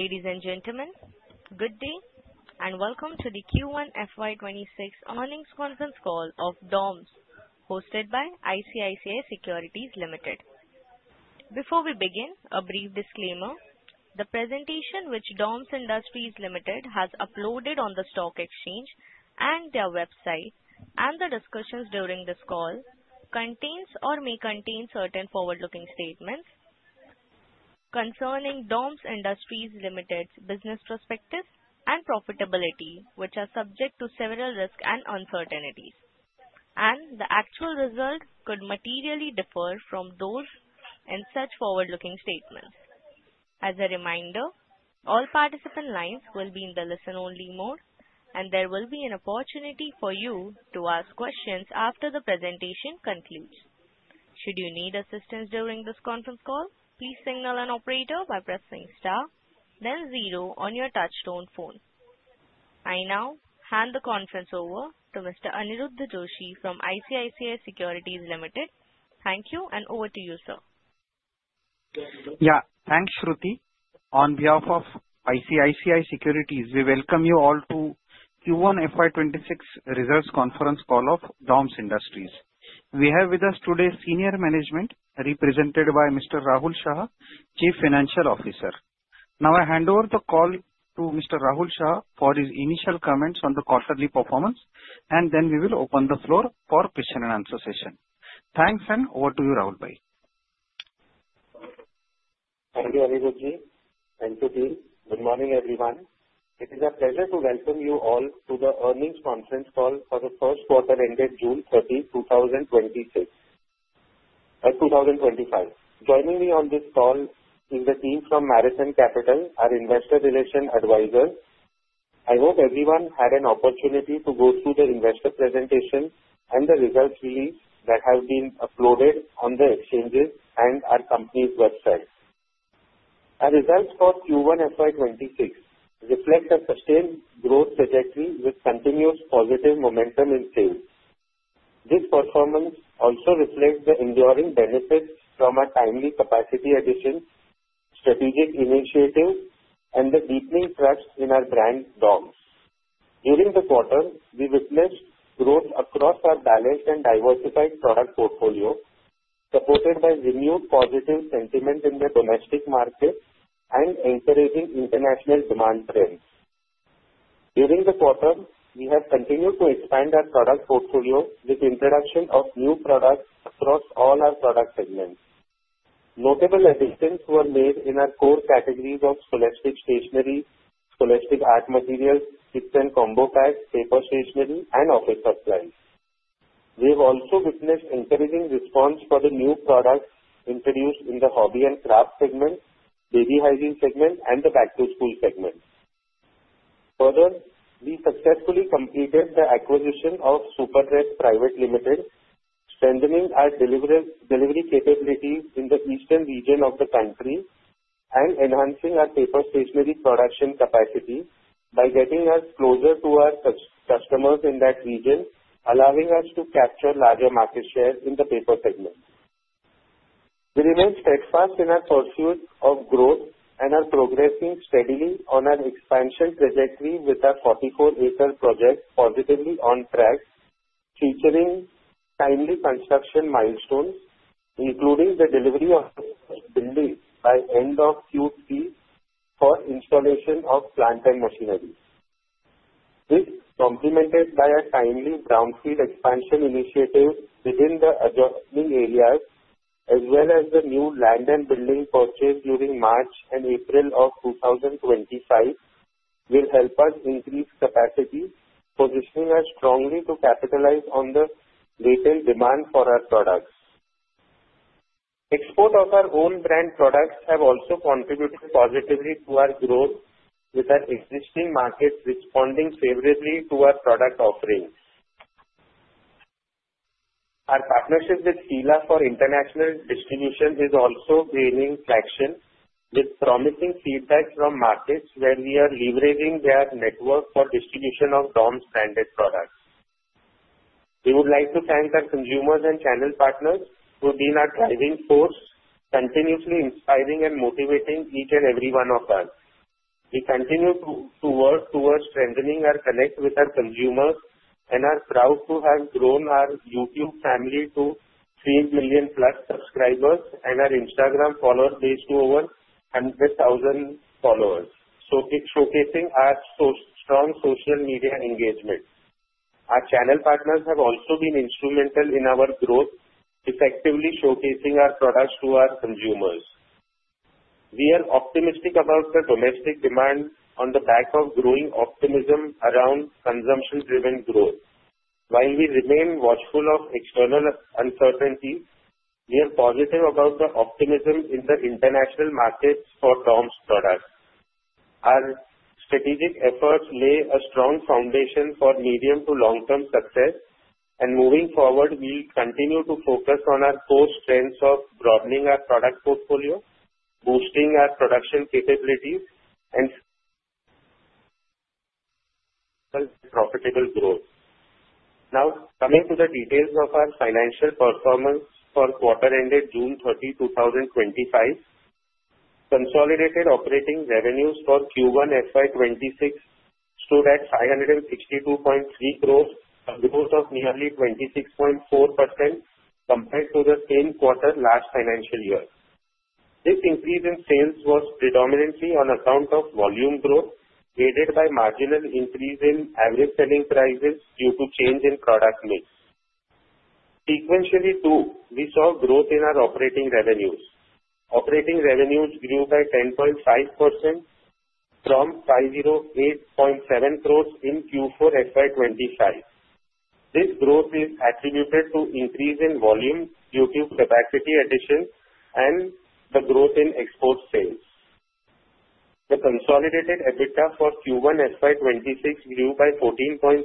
Ladies and gentlemen, good day, and welcome to the Q1 FY 2026 Earnings Conference Call of DOMS, hosted by ICICI Securities Limited. Before we begin, a brief disclaimer: the presentation which DOMS Industries Limited has uploaded on the stock exchange and their website, and the discussions during this call, contains or may contain certain forward-looking statements concerning DOMS Industries Limited's business prospectus and profitability, which are subject to several risks and uncertainties, and the actual result could materially differ from those in such forward-looking statements. As a reminder, all participant lines will be in the listen-only mode, and there will be an opportunity for you to ask questions after the presentation concludes. Should you need assistance during this conference call, please signal an operator by pressing * then 0 on your touch-tone phone. I now hand the conference over to Mr. Aniruddha Joshi from ICICI Securities Limited. Thank you, and over to you, sir. Yeah, thanks, Shruti. On behalf of ICICI Securities, we welcome you all to Q1 FY 2026 results conference call of DOMS Industries. We have with us today senior management represented by Mr. Rahul Shah, Chief Financial Officer. Now I hand over the call to Mr. Rahul Shah for his initial comments on the quarterly performance, and then we will open the floor for question and answer session. Thanks, and over to you, Rahul. Bye. Thank you, Aniruddha and Shruti. Good morning, everyone. It is a pleasure to welcome you all to the earnings conference call for the first quarter ended June 30, 2025. Joining me on this call is the team from Marathon Capital, our investor relation advisor. I hope everyone had an opportunity to go through the investor presentation and the results that have been uploaded on the exchanges and our company's website. Our results for Q1 FY 2026 reflect a sustained growth trajectory with continuous positive momentum in sales. This performance also reflects the enduring benefits from our timely capacity addition, strategic initiatives, and the deepening trust in our brand, DOMS. During the quarter, we witnessed growth across our balanced and diversified product portfolio, supported by renewed positive sentiment in the domestic market and encouraging international demand trends. During the quarter, we have continued to expand our product portfolio with the introduction of new products across all our product segments. Notable additions were made in our core categories of Scholastic Stationery, Scholastic Art Materials, Kits and Combo Packs, Paper Stationery, and Office Supplies. We have also witnessed an encouraging response for the new products introduced in the Hobby and Craft segment, Baby Hygiene segment, and the Back to School segment. Further, we successfully completed the acquisition of Super Treads Private Limited, strengthening our delivery capabilities in the eastern India region, and enhancing our Paper Stationery production capacity by getting us closer to our customers in that region, allowing us to capture larger market share in the paper segment. We remain steadfast in our forecast of growth and are progressing steadily on our expansion trajectory with our 44-acre project positively on track, featuring timely construction milestones, including the delivery of buildings by end of Q3 for installation of plant and machineries. This is complemented by a timely brownfield expansion initiative within the adjustment areas, as well as the new land and building purchased during March and April of 2025, which will help us increase capacity, positioning us strongly to capitalize on the latest demand for our products. Export of our own brand products has also contributed positively to our growth, with our existing markets responding favorably to our product offerings. Our partnership with FILA for international distribution is also gaining traction, with promising feedback from markets when we are leveraging their network for distribution of DOMS-branded products. We would like to thank our consumers and channel partners who have been our driving force, continuously inspiring and motivating each and every one of us. We continue to work towards strengthening our connection with our consumers, and we are proud to have grown our YouTube family to 3+ million subscribers and our Instagram follower base to over 100,000 followers, showcasing our strong social media engagement. Our channel partners have also been instrumental in our growth, effectively showcasing our products to our consumers. We are optimistic about the domestic demand on the back of growing optimism around consumption-driven growth. While we remain watchful of external uncertainty, we are positive about the optimism in the international markets for DOMS products. Our strategic efforts lay a strong foundation for medium to long-term success, and moving forward, we continue to focus on our core strengths of broadening our product portfolio, boosting our production capabilities, and profitable growth. Now, coming to the details of our financial performance for quarter ended June 30, 2025, consolidated operating revenues for Q1 FY 2026 stood at 562.3 crores, a growth of nearly 26.4% compared to the same quarter last financial year. This increase in sales was predominantly on account of volume growth, aided by a marginal increase in average selling prices due to a change in product mix. Sequentially, we saw growth in our operating revenues. Operating revenues grew by 10.5% from [508.7] crores in Q4 FY 2025. This growth is attributed to an increase in volume due to capacity addition and a growth in export sales. The consolidated EBITDA for Q1 FY 2026 grew by 14.3%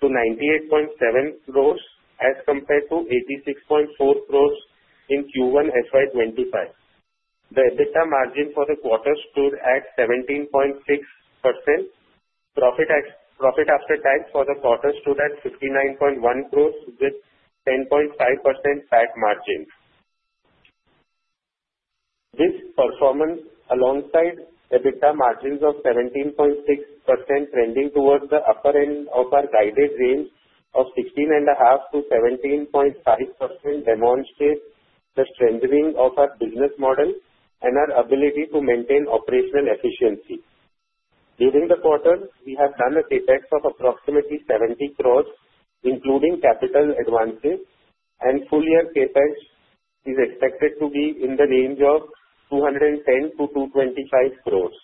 to 98.7 crores as compared to 86.4 crores in Q1 FY 2025. The EBITDA margin for the quarter stood at 17.6%. Profit after tax for the quarter stood at 59.1 crores, with 10.5% PAT margins. This performance, alongside EBITDA margins of 17.6%, trending towards the upper end of our guided range of 16.5%-17.5%, demonstrates the strengthening of our business model and our ability to maintain operational efficiency. During the quarter, we have done a CapEx of approximately 70 crores, including capital advances, and full-year CapEx is expected to be in the range of 210-225 crores.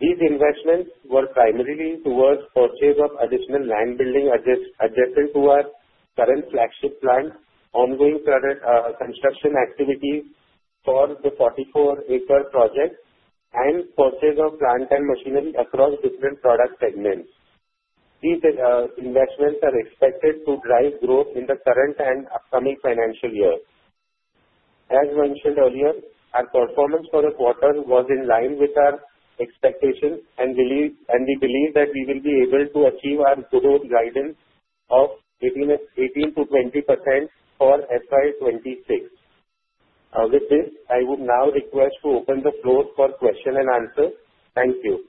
These investments were primarily towards the purchase of additional land building adjacent to our current flagship plant, ongoing construction activities for the 44-acre project, and purchase of plant and machinery across different product segments. These investments are expected to drive growth in the current and upcoming financial year. As mentioned earlier, our performance for the quarter was in line with our expectations, and we believe that we will be able to achieve our goal guidance of 18%-20% on FY 2026. With this, I would now request to open the floor for question and answer. Thank you.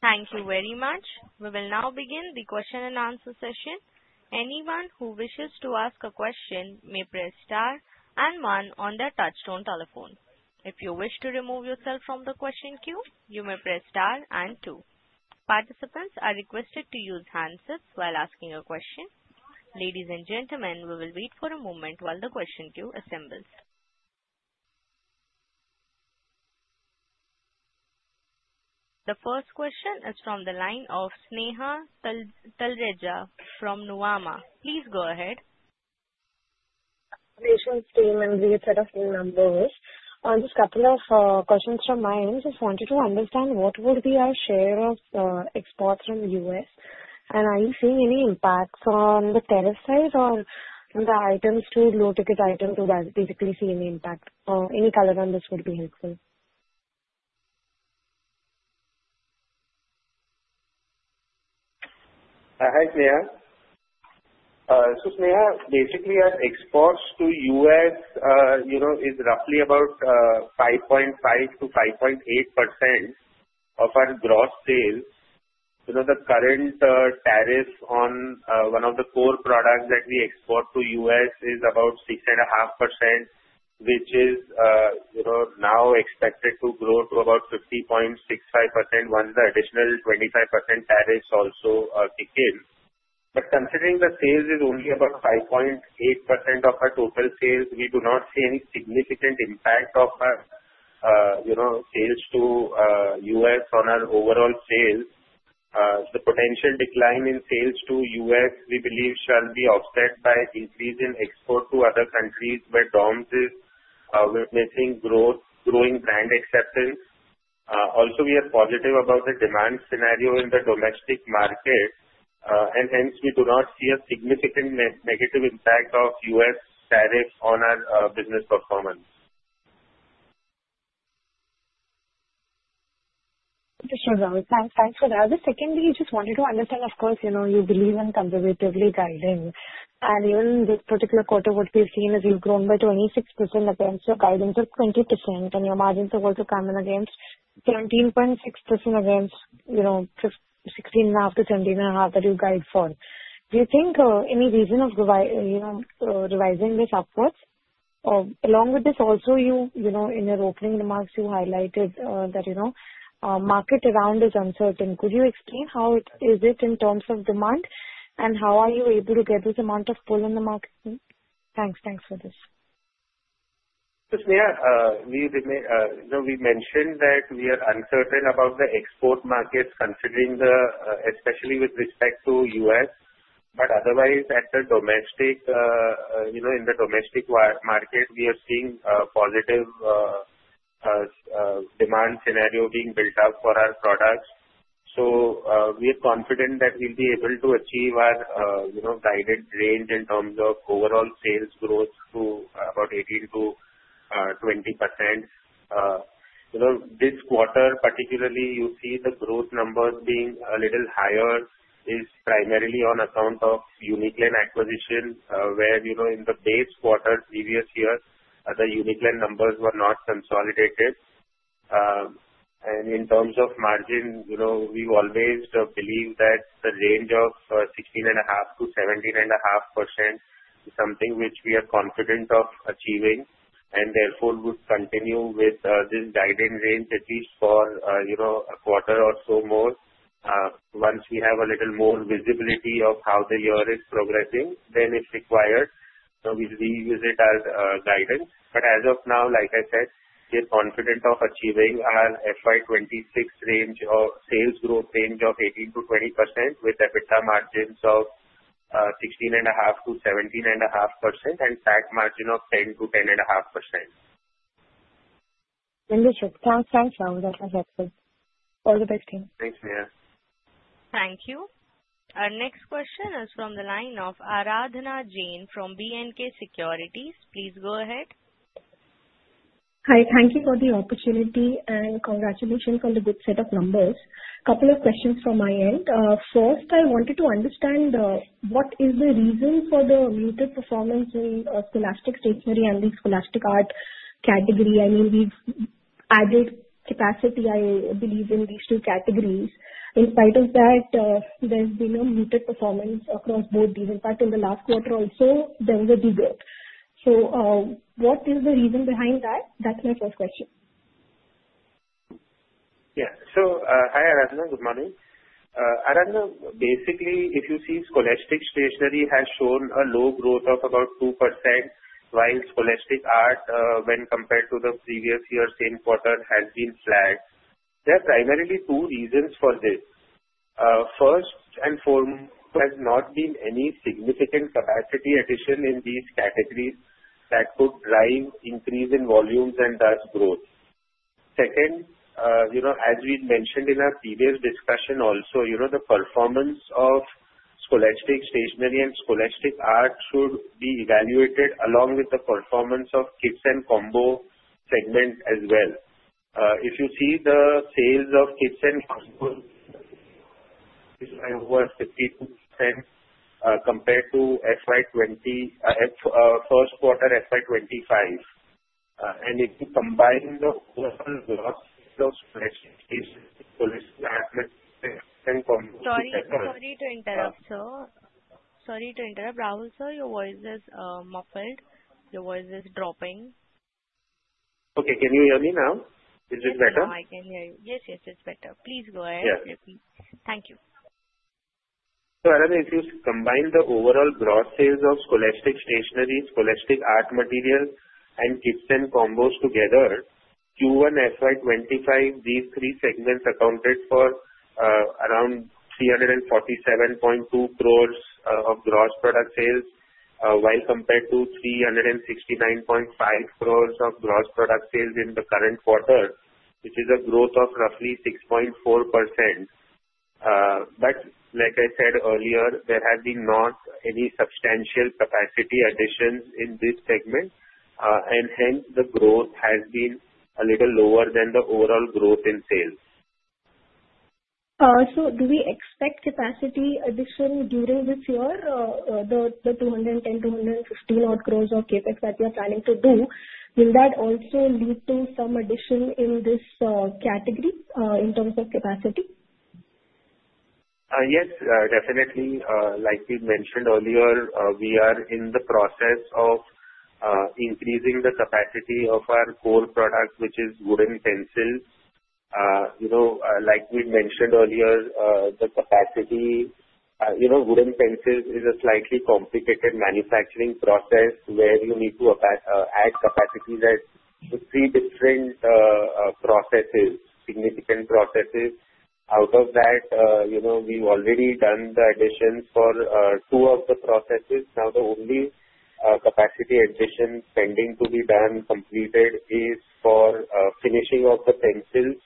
Thank you very much. We will now begin the question and answer session. Anyone who wishes to ask a question may press star and one on their touch-tone telephone. If you wish to remove yourself from the question queue, you may press star and two. Participants are requested to use handsets while asking a question. Ladies and gentlemen, we will wait for a moment while the question queue assembles. The first question is from the line of Sneha Talreja from Nuvama. Please go ahead. I recently seen when we set up the numbers, just a couple of questions to mind. Just wanted to understand what would be our share of exports from the U.S., and are you seeing any impacts on the tariff side on the items to low ticket items? Do you basically see any impact? Any color on this would be helpful. Hi, Sneha. So, Sneha, basically, our exports to the U.S., you know, is roughly about 5.5%-5.8% of our gross sales. You know, the current tariff on one of the core products that we export to the U.S. is about 6.5%, which is, you know, now expected to grow to about 50.65% once the additional 25% tariffs also kick in. Considering the sales is only about 5.8% of our total sales, we do not see any significant impact of our, you know, sales to the U.S. on our overall sales. The potential decline in sales to the U.S., we believe, shall be offset by an increase in exports to other countries where DOMS is witnessing growth, growing brand acceptance. Also, we are positive about the demand scenario in the domestic market, and hence, we do not see a significant negative impact of U.S. tariffs on our business performance. Thanks for that. The second thing I just wanted to understand, of course, you know, you believe in conservatively guiding, and even in this particular quarter, what we've seen is you've grown by 26% against your guidance of 20%, and your margins are also coming against 17.6% against, you know, 16.5%-17.5% that you guide for. Do you think any reason of, you know, revising this upwards? Along with this also, you, you know, in your opening remarks, you highlighted that, you know, market around is uncertain. Could you explain how it is in terms of demand and how are you able to get this amount of pull in the market? Thanks. Thanks for this. Sneha, we mentioned that we are uncertain about the export markets, especially with respect to the U.S., but otherwise, in the domestic market, we are seeing a positive demand scenario being built up for our products. We are confident that we'll be able to achieve our, you know, guided range in terms of overall sales growth to about 18%-20%. This quarter, particularly, you see the growth numbers being a little higher is primarily on account of Uniclan acquisition, where, you know, in the base quarter previous year, the Uniclan numbers were not consolidated. In terms of margin, we always believe that the range of 16.5%-17.5% is something which we are confident of achieving and therefore would continue with this guiding range at least for, you know, a quarter or so more. Once we have a little more visibility of how the year is progressing, if required, we'll revisit our guidance. As of now, like I said, we are confident of achieving our FY 2026 range or sales growth range of 18%-20% with EBITDA margins of 16.5%-17.5% and a PAT margin of 10%-10.5%. Thanks, Rahul. That was helpful. All the best to you. Thanks, Sneha. Thank you. Our next question is from the line of Aradhana Jain from B&K Securities. Please go ahead. Hi. Thank you for the opportunity and congratulations on the good set of numbers. A couple of questions from my end. First, I wanted to understand what is the reason for the muted performance in Scholastic Stationery and the Scholastic Art Materials category. I mean, we've added capacity, I believe, in these two categories. In spite of that, there's been a muted performance across both these. In fact, in the last quarter also, there was a degrowth. What is the reason behind that? That's my first question. Yeah. Hi, Aradhana. Good morning. Aradhana, basically, if you see, Scholastic Stationery has shown a low growth of about 2% while Scholastic Art, when compared to the previous year's same quarter, has been flat. There are primarily two reasons for this. First and foremost, there has not been any significant capacity addition in these categories that could drive an increase in volumes and thus growth. Second, as we mentioned in our previous discussion also, the performance of Scholastic Stationery and Scholastic Art should be evaluated along with the performance of Kits and Combo segment as well. If you see the sales of Kits and Combo, which are over 50% compared to the first quarter FY 2025, and if you combine the overall growth of. Sorry to interrupt, sir. Sorry to interrupt. Rahul, sir, your voice is muffled. Your voice is dropping. Okay, can you hear me now? Is this better? Yes, I can hear you. Yes, yes, it's better. Please go ahead. Thank you. Aradhana, if you combine the overall gross sales of Scholastic Stationery, Scholastic Art Materials, and Kits and Combo Packs together, Q1 FY 2025, these three segments accounted for around 347.2 crores of gross product sales compared to 369.5 crores of gross product sales in the current quarter, which is a growth of roughly 6.4%. Like I said earlier, there have not been any substantial capacity additions in this segment, and hence, the growth has been a little lower than the overall growth in sales. Do we expect capacity addition during this year? The 210, 215 crores of CapEx that we are planning to do, will that also lead to some addition in this category in terms of capacity? Yes, definitely. Like we mentioned earlier, we are in the process of increasing the capacity of our core product, which is wooden pencils. Like we mentioned earlier, the capacity, you know, wooden pencils is a slightly complicated manufacturing process where you need to add capacity that would be different processes, significant processes. Out of that, we've already done the additions for two of the processes. The only capacity addition pending to be completed is for finishing of the pencils.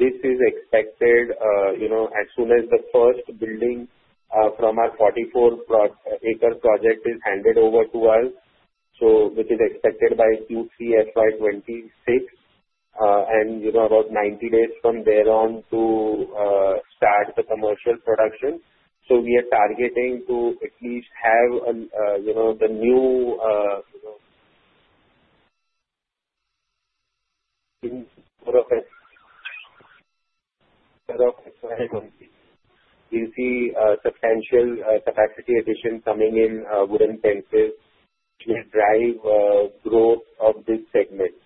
This is expected as soon as the first building from our 44-acre project is handed over to us, which is expected by Q3 FY 2026, and about 90 days from there on to start the commercial production. We are targeting to at least have the new a substantial capacity addition coming in wooden pencils to drive growth of these segments.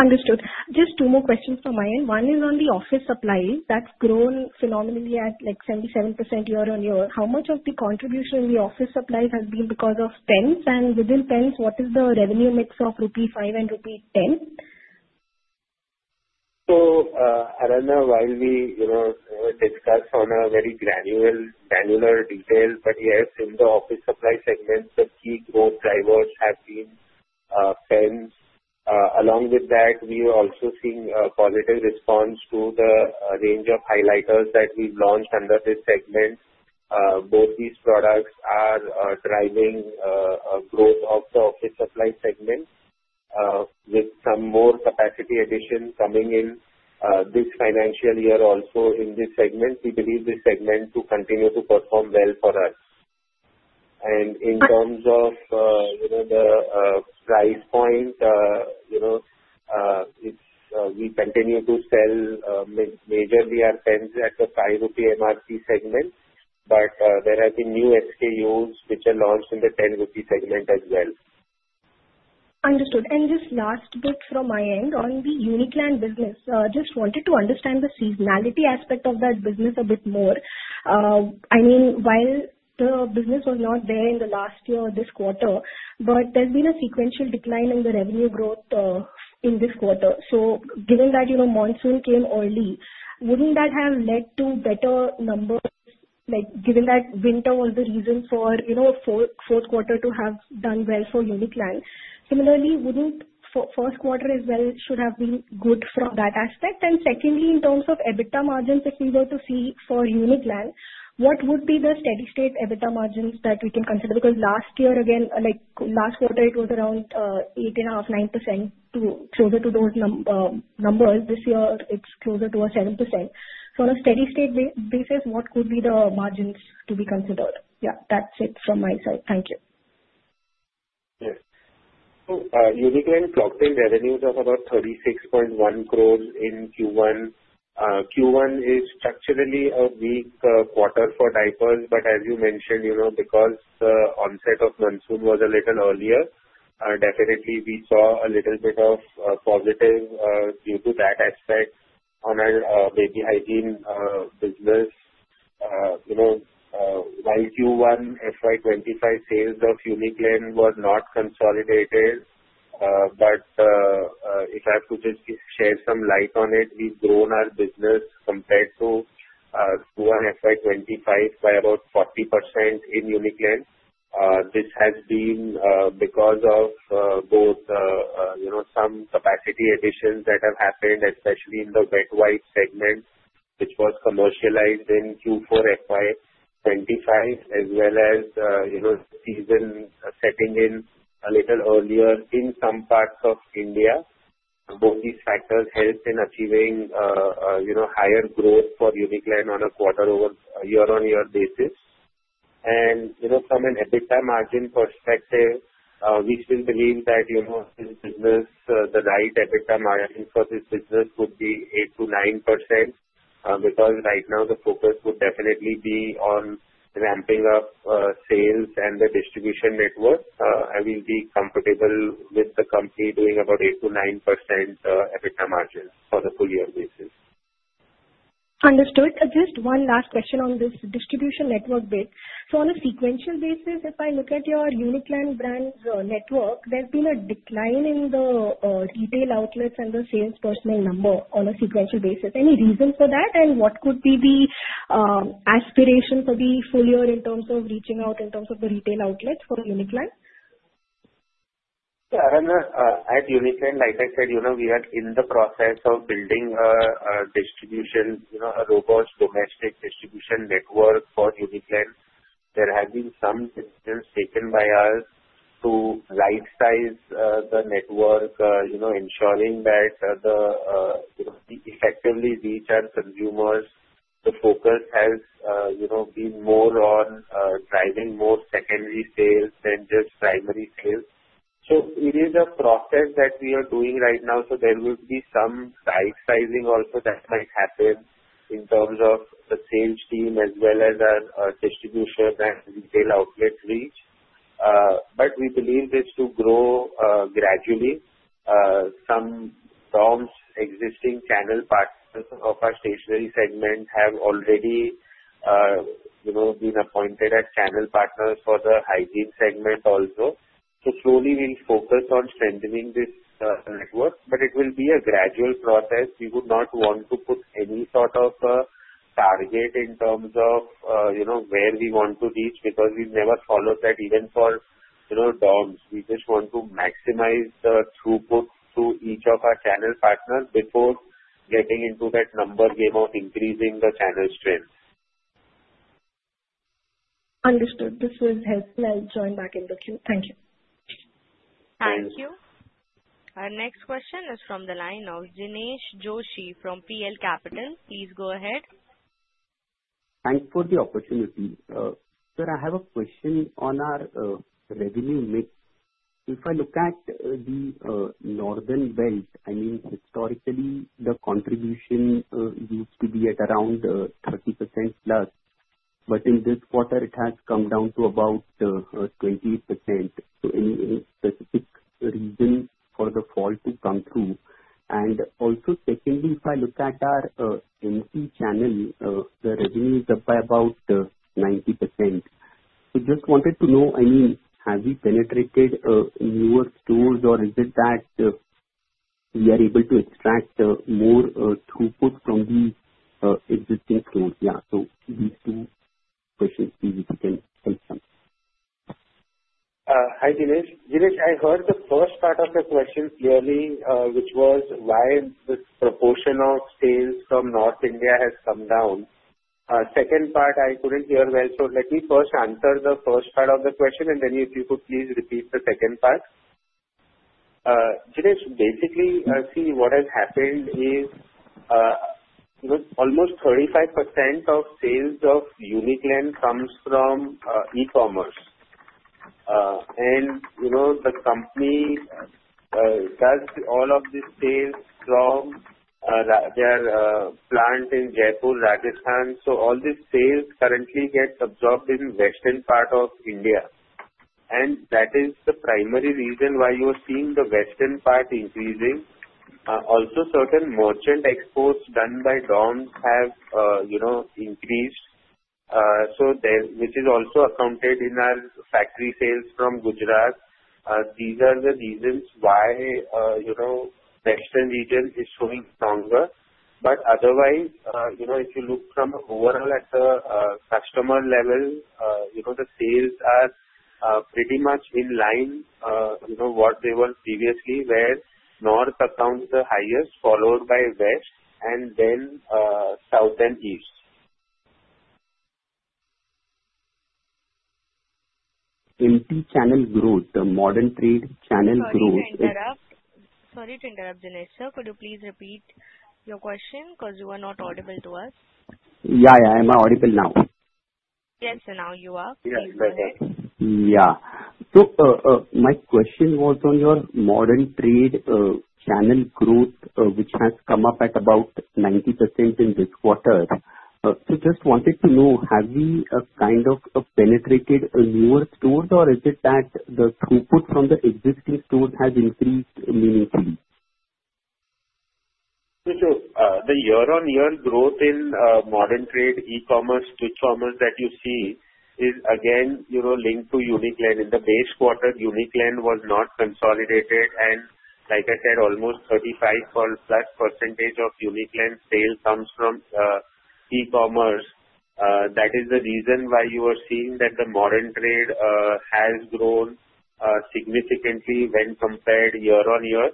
Understood. Just two more questions from my end. One is on the Office Supplies. That's grown phenomenally at like 77% year-on-year. How much of the contribution in the Office Supplies has been because of pens? Within pens, what is the revenue mix of rupee 5 and rupee 10? Aradhana, while we take stock on a very granular detail, in the Office Supplies segment, the key growth drivers have been pens. Along with that, we are also seeing a positive response to the range of highlighters that we've launched under this segment. Both these products are driving growth of the Office Supplies segment with some more capacity additions coming in this financial year also in this segment. We believe this segment to continue to perform well for us. In terms of the price point, we continue to sell majorly our pens at the 5 rupee MRP segment, but there have been new SKUs which are launched in the 10 rupee segment as well. Understood. Just last bit from my end, on the Uniclan business, I just wanted to understand the seasonality aspect of that business a bit more. While the business was not there in the last year, this quarter, there's been a sequential decline in the revenue growth in this quarter. Given that monsoon came early, wouldn't that have led to better numbers? Given that winter was the reason for fourth quarter to have done well for Uniclan, wouldn't first quarter as well should have been good from that aspect? Secondly, in terms of EBITDA margins, if we were to see for Uniclan, what would be the steady-state EBITDA margins that we can consider? Last year, again, it was around 8.5%-9% closer to those numbers. This year, it's closer to a 7%. On a steady-state basis, what would be the margins to be considered? That's it from my side. Thank you. Uniclan clocked in revenues of about 36.1 crore in Q1. Q1 is structurally a weak quarter for diapers, but as you mentioned, because the onset of monsoon was a little earlier, definitely we saw a little bit of positive view to that aspect on our Baby Hygiene business. While Q1 FY 2025 sales of Uniclan were not consolidated, if I could just shed some light on it, we've grown our business compared to FY 2025 by about 40% in Uniclan. This has been because of both some capacity additions that have happened, especially in the wet wipe segment, which was commercialized in Q4 FY 2025, as well as season setting in a little earlier in some parts of India. Both these factors helped in achieving higher growth for Uniclan on a year-on-year basis. From an EBITDA margin perspective, we still believe that in business, the right EBITDA margin for this business would be 8%-9% because right now the focus would definitely be on ramping up sales and the distribution network. I will be comfortable with the company doing about 8%-9% EBITDA margin on a per-year basis. Understood. Just one last question on this distribution network bit. On a sequential basis, if I look at your Uniclan brand network, there's been a decline in the retail outlets and the sales personnel number on a sequential basis. Any reason for that? What could be the aspiration for the full year in terms of reaching out in terms of the retail outlets for Uniclan? Yeah, Aradhana, at Uniclan, like I said, we are in the process of building a robust domestic distribution network for Uniclan. There have been some changes taken by us to right-size the network, ensuring that we effectively reach our consumers. The focus has been more on driving more secondary sales than just primary sales. It is a process that we are doing right now. There would be some right sizing also that might happen in terms of the sales team as well as our distribution and retail outlets reach. We believe it's to grow gradually. Some existing channel partners of our stationery segment have already been appointed as channel partners for the hygiene segment also. Slowly, we'll focus on strengthening this network, but it will be a gradual process. We would not want to put any sort of a target in terms of where we want to reach because we've never followed that even for DOMS. We just want to maximize the throughput through each of our channel partners before getting into that number without increasing the channel strength. Understood. This was helpful. I'll join back in the queue. Thank you. Thank you. Our next question is from the line of Jinesh Joshi from PL Capital. Please go ahead. Thanks for the opportunity. Sir, I have a question on our revenue mix. If I look at the northern [belt], I mean, historically, the contribution used to be at around 30%+, but in this quarter, it has come down to about 28%. Is there any specific reason for the fall to come through? Also, if I look at our MT channel, the revenue is up by about 90%. I just wanted to know, have we penetrated newer stores or is it that we are able to extract more throughput from the existing stores? Yeah, these two questions [if you can help me]. Hi, Jinesh. Jinesh, I heard the first part of your question clearly, which was why the proportion of sales from North India has come down. The second part, I couldn't hear well. Let me first answer the first part of the question, and then if you could please repeat the second part. Jinesh, basically, I see what has happened is, you know, almost 35% of sales of Uniclan comes from e-commerce. The company sells all of these sales from their plant in Jaipur, Rajasthan. All these sales currently get absorbed in the western part of India. That is the primary reason why you are seeing the western part increasing. Also, certain merchant exports done by DOMS have increased. This is also accounted in our factory sales from Gujarat. These are the reasons why the western region is showing stronger. Otherwise, if you look overall at the customer level, the sales are pretty much in line with what they were previously, where North accounts the highest, followed by West, and then South and East. empty channel growth, the modern trade channel growth. Sorry to interrupt, Jinesh sir. Could you please repeat your question because you were not audible to us? Yeah. Am I audible now? Yes, you are. Please go ahead. Yeah, my question was on your modern trade channel growth, which has come up at about 90% in this quarter. I just wanted to know, have we kind of penetrated newer stores, or is it that the throughput from the existing stores has increased meaningfully? The year-on-year growth in modern trade e-commerce performance that you've seen is, again, linked to Uniclan. In the base quarter, Uniclan was not consolidated. Like I said, almost 35%+ of Uniclan sales comes from e-commerce. That is the reason why you are seeing that the modern trade has grown significantly when compared year-on-year.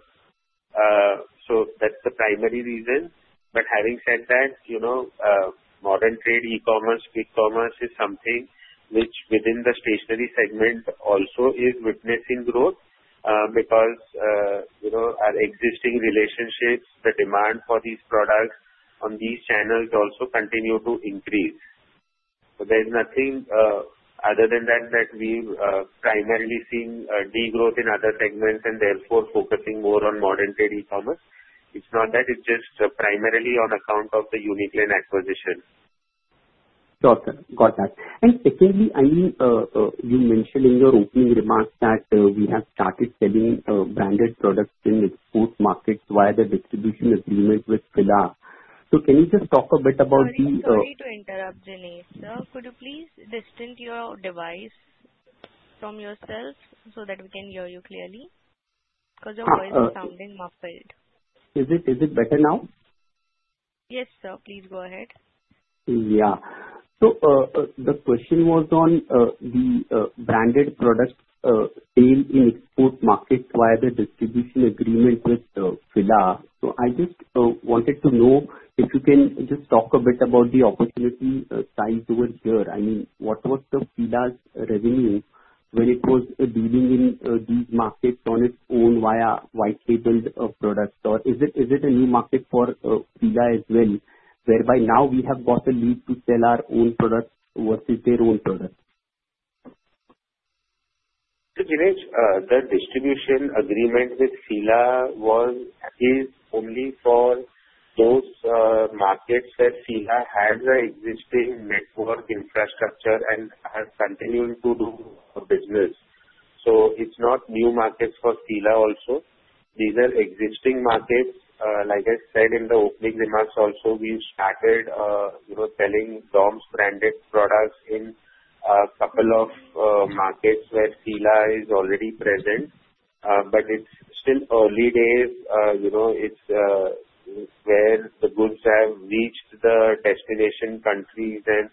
That's the primary reason. Having said that, modern trade e-commerce is something which within the stationery segment also is witnessing growth because our existing relationships, the demand for these products on these channels also continues to increase. There's nothing other than that that we've primarily seen degrowth in other segments and therefore focusing more on modern trade e-commerce. It's not that it's just primarily on account of the Uniclan acquisition. Got that. Secondly, you mentioned in your opening remarks that we have started selling branded products in the export markets via the distribution agreement with FILA. Can you just talk a bit about the. Sorry to interrupt, Jinesh sir. Could you please distance your device from yourself so that we can hear you clearly? Your voice is sounding muffled. Is it better now? Yes, sir. Please go ahead. Yeah. The question was on the branded product sale in export markets via the distribution agreement with FILA. I just wanted to know if you can just talk a bit about the opportunity signed towards here. I mean, what was FILA's revenue when it was dealing in these markets on its own via white-labeled products? Is it a new market for FILA as well, whereby now we have got a lead to sell our own products versus their own products? Jinesh, the distribution agreement with FILA was happening only for those markets where FILA has an existing network infrastructure and has continued to do business. It's not new markets for FILA also. These are existing markets. Like I said in the opening remarks also, we've started selling DOMS branded products in a couple of markets where FILA is already present. It's still early days. It's where the goods have reached the destination countries and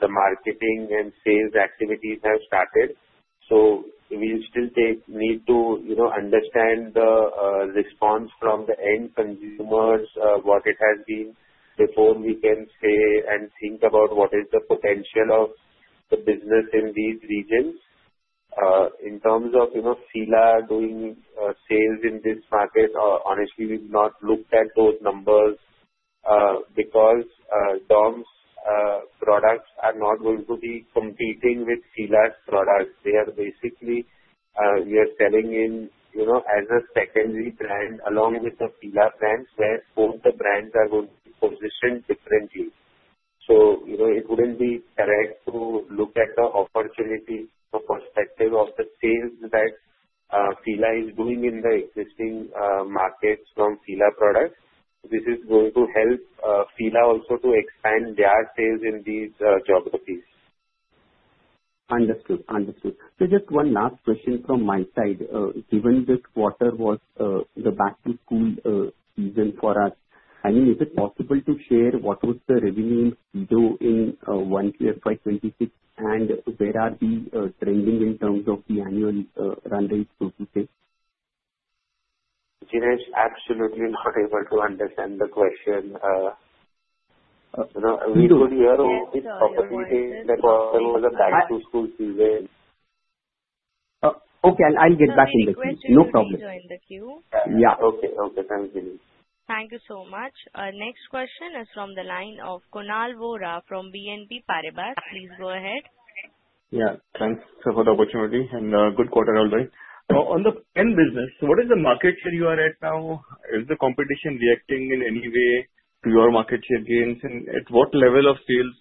the marketing and sales activities have started. We still need to understand the response from the end consumers, what it has been before we can say and think about what is the potential of the business in these regions. In terms of FILA doing sales in this market, honestly, we've not looked at those numbers because DOMS products are not going to be competing with FILA's products. We are selling in as a secondary brand along with the FILA brand where both the brands are going to be consistent differentially. It wouldn't be correct to look at the opportunity or perspective of the sales that FILA is doing in the existing markets from FILA products. This is going to help FILA also to expand their sales in these geographies. Understood. Just one last question from my side. Given this quarter was the Back to School season for us, is it possible to share what would the revenue be in one FY 2026 and where are we trending in terms of the annual run rate? Jinesh, I'm absolutely not able to understand the question. We do the year. It was a Back to School season. Okay, I'll get back in the queue. No problem. Sir, [that was your last question]. Please rejoin the queue. Yeah. Okay. Okay. Thanks, Jinesh. Thank you so much. Next question is from the line of Kunal Vora from BNP Paribas. Please go ahead. Yeah. Thanks for the opportunity and good quarter always. On the pen business, what is the market share you are at now? Is the competition reacting in any way to your market share gains? At what level of sales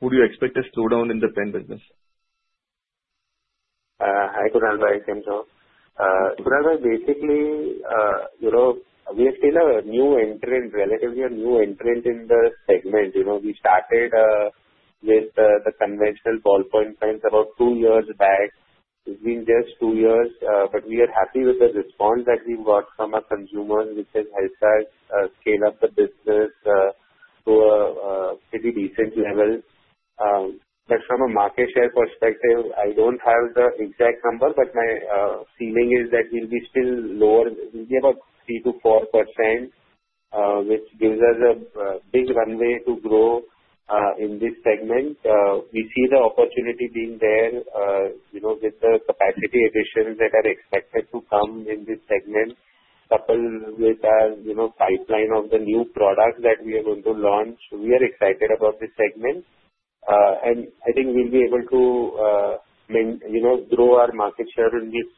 would you expect a slowdown in the pen business? Hi, Kunal. Basically, you know, we are still a new entrant, relatively a new entrant in the segment. You know, we started with the conventional ballpoint pens about two years back. It's been just two years, but we are happy with the response that we've got from our consumers, which has helped us scale up the business to a pretty decent level. From a market share perspective, I don't have the exact number, but my feeling is that we'll be still lower. We'll be about 3%-4%, which gives us a big runway to grow in this segment. We see the opportunity being there, you know, with the capacity additions that are expected to come in this segment coupled with our, you know, pipeline of the new products that we are going to launch. We are excited about this segment. I think we'll be able to, you know, grow our market share in these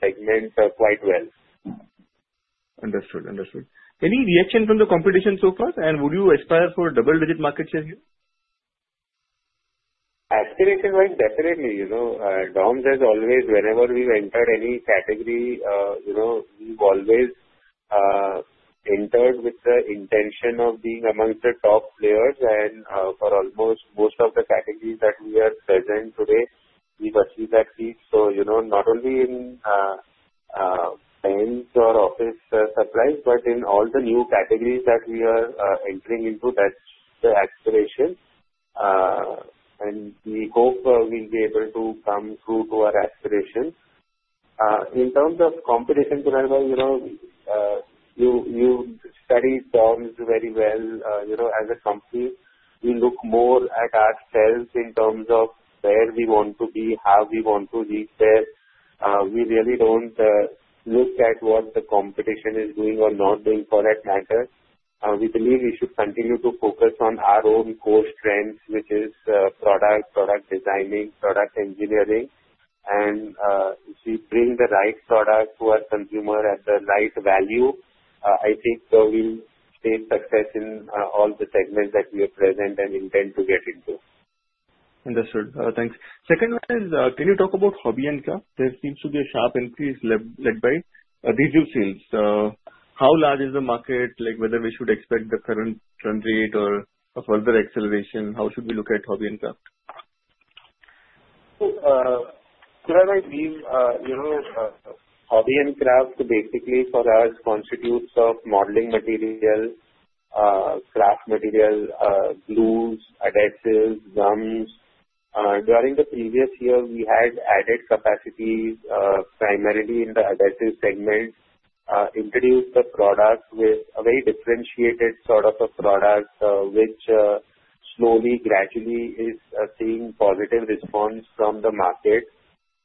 segments quite well. Understood. Understood. Any reaction from the competition so far? Would you aspire for a double-digit market share here? Aspirations-wise, definitely. DOMS has always, whenever we've entered any category, we've always entered with the intention of being amongst the top players. For almost most of the categories that we are present today, we pursue that seat. Not only in Pens or Office Supplies, but in all the new categories that we are entering into, that's the aspiration. We hope we'll be able to come through to our aspiration. In terms of competition, Kunal, you study DOMS very well. As a company, we look more at ourselves in terms of where we want to be, how we want to reach there. We really don't look at what the competition is doing or not doing for a factor. We believe we should continue to focus on our own core strengths, which is product, product designing, product engineering, and if we bring the right product to our consumer at the right value, I think we'll face success in all the segments that we are present and intend to get into. Understood. Thanks. Second one is, can you talk about Hobby and Craft? There seems to be a sharp increase led by diesel sales. How large is the market? Like, whether we should expect the current run rate or further acceleration? How should we look at Hobby and Craft? Kunal, [I think] Hobby and Craft basically for us constitutes of modeling material, craft material, glues, adhesives, gums. During the previous year, we had added capacity, primarily in the adhesive segment, introduced a product with a very differentiated sort of a product, which slowly, gradually is seeing positive response from the market.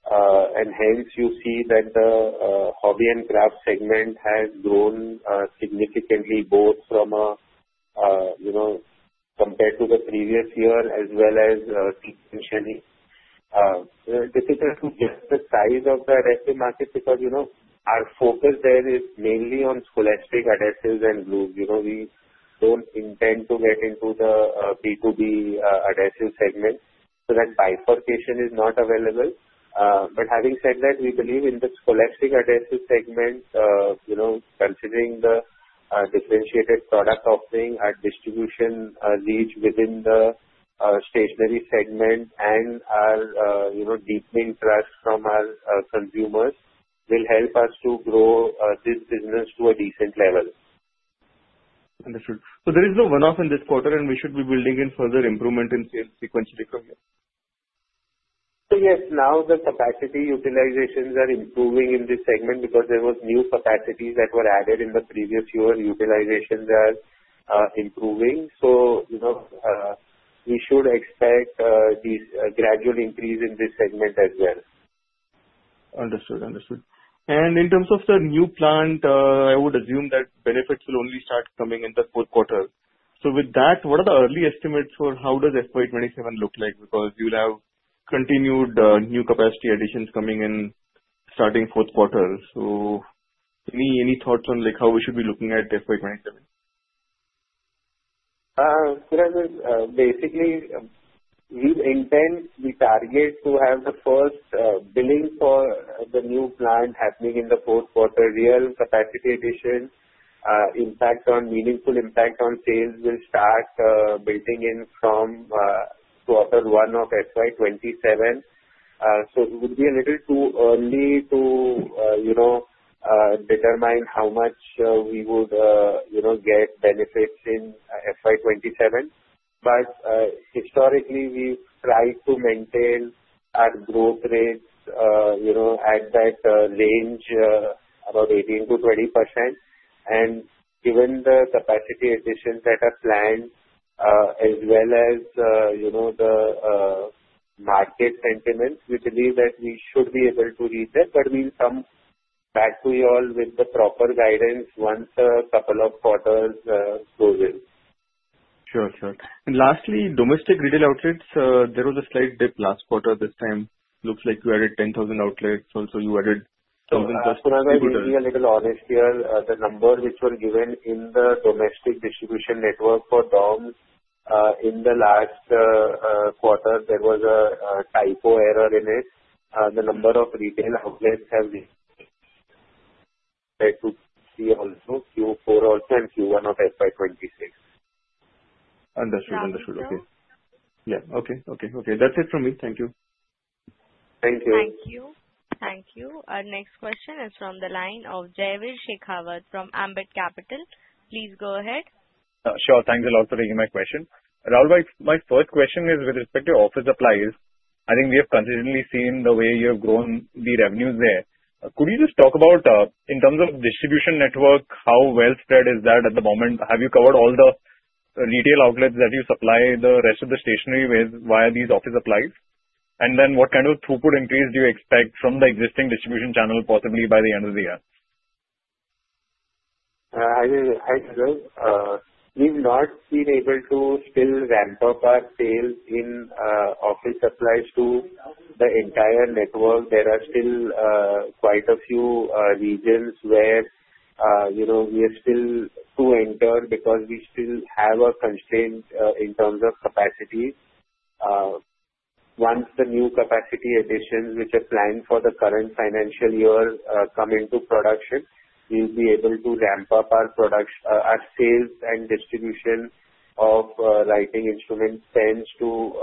Hence, you see that the Hobby and Craft segment has grown significantly both from a, you know, compared to the previous year as well as sequentially. It's just the size of the adhesive market because, you know, our focus there is mainly on scholastic adhesives and glues. We don't intend to get into the P2B adhesive segment. That bifurcation is not available. Having said that, we believe in the scholastic adhesive segment, considering the differentiated product offering, our distribution reach within the stationery segment, and our, you know, deeply trust from our consumers will help us to grow this business to a decent level. Understood. There is no one-off in this quarter, and we should be building in further improvement in sales sequentially from here. Yes, now the capacity utilizations are improving in this segment because there were new capacities that were added in the previous year. Utilizations are improving, so we should expect this gradual increase in this segment as well. Understood. In terms of the new plant, I would assume that benefits will only start coming in the fourth quarter. With that, what are the early estimates for how does FY 2027 look like? You will have continued new capacity additions coming in starting fourth quarter. Any thoughts on how we should be looking at FY 2027? Basically, we intend, we target to have the first billing for the new plant happening in the fourth quarter. Real capacity addition, impact on meaningful impact on sales will start building in from quarter one of FY 2027. It would be a little too early to determine how much we would get benefits in FY 2027. Historically, we've tried to maintain our growth rates at that range, about 18%-20%. Given the capacity additions that are planned, as well as the market sentiment, we believe that we should be able to reach it. We'll come back to you all with the proper guidance once a couple of quarters closes. Sure. Lastly, domestic retail outlets, there was a slight dip last quarter. This time, it looks like you added 10,000 outlets. Also, you added 1,000+. Kunal, to be a little honest here, the numbers which were given in the domestic distribution network for DOMS in the last quarter, there was a typo error in it. The number of retail outlets have. That could be also Q4 also and Q1 of FY 2026. Understood. Okay. That's it from me. Thank you. Thank you. Thank you. Thank you. Our next question is from the line of Jaiveer Shekhawat from Ambit Capital. Please go ahead. Sure. Thanks a lot for taking my question. Rahul, my first question is with respect to Office Supplies. I think we have consistently seen the way you have grown the revenues there. Could you just talk about, in terms of distribution network, how well spread is that at the moment? Have you covered all the retail outlets that you supply the rest of the stationery with via these Office Supplies? What kind of throughput increase do you expect from the existing distribution channel, possibly by the end of the year? We've not been able to still ramp up our sales in Office Supplies to the entire network. There are still quite a few regions where we are still to enter because we still have a constraint in terms of capacity. Once the new capacity additions, which are planned for the current financial year, come into production, we'll be able to ramp up our production, our sales, and distribution of writing instruments sales to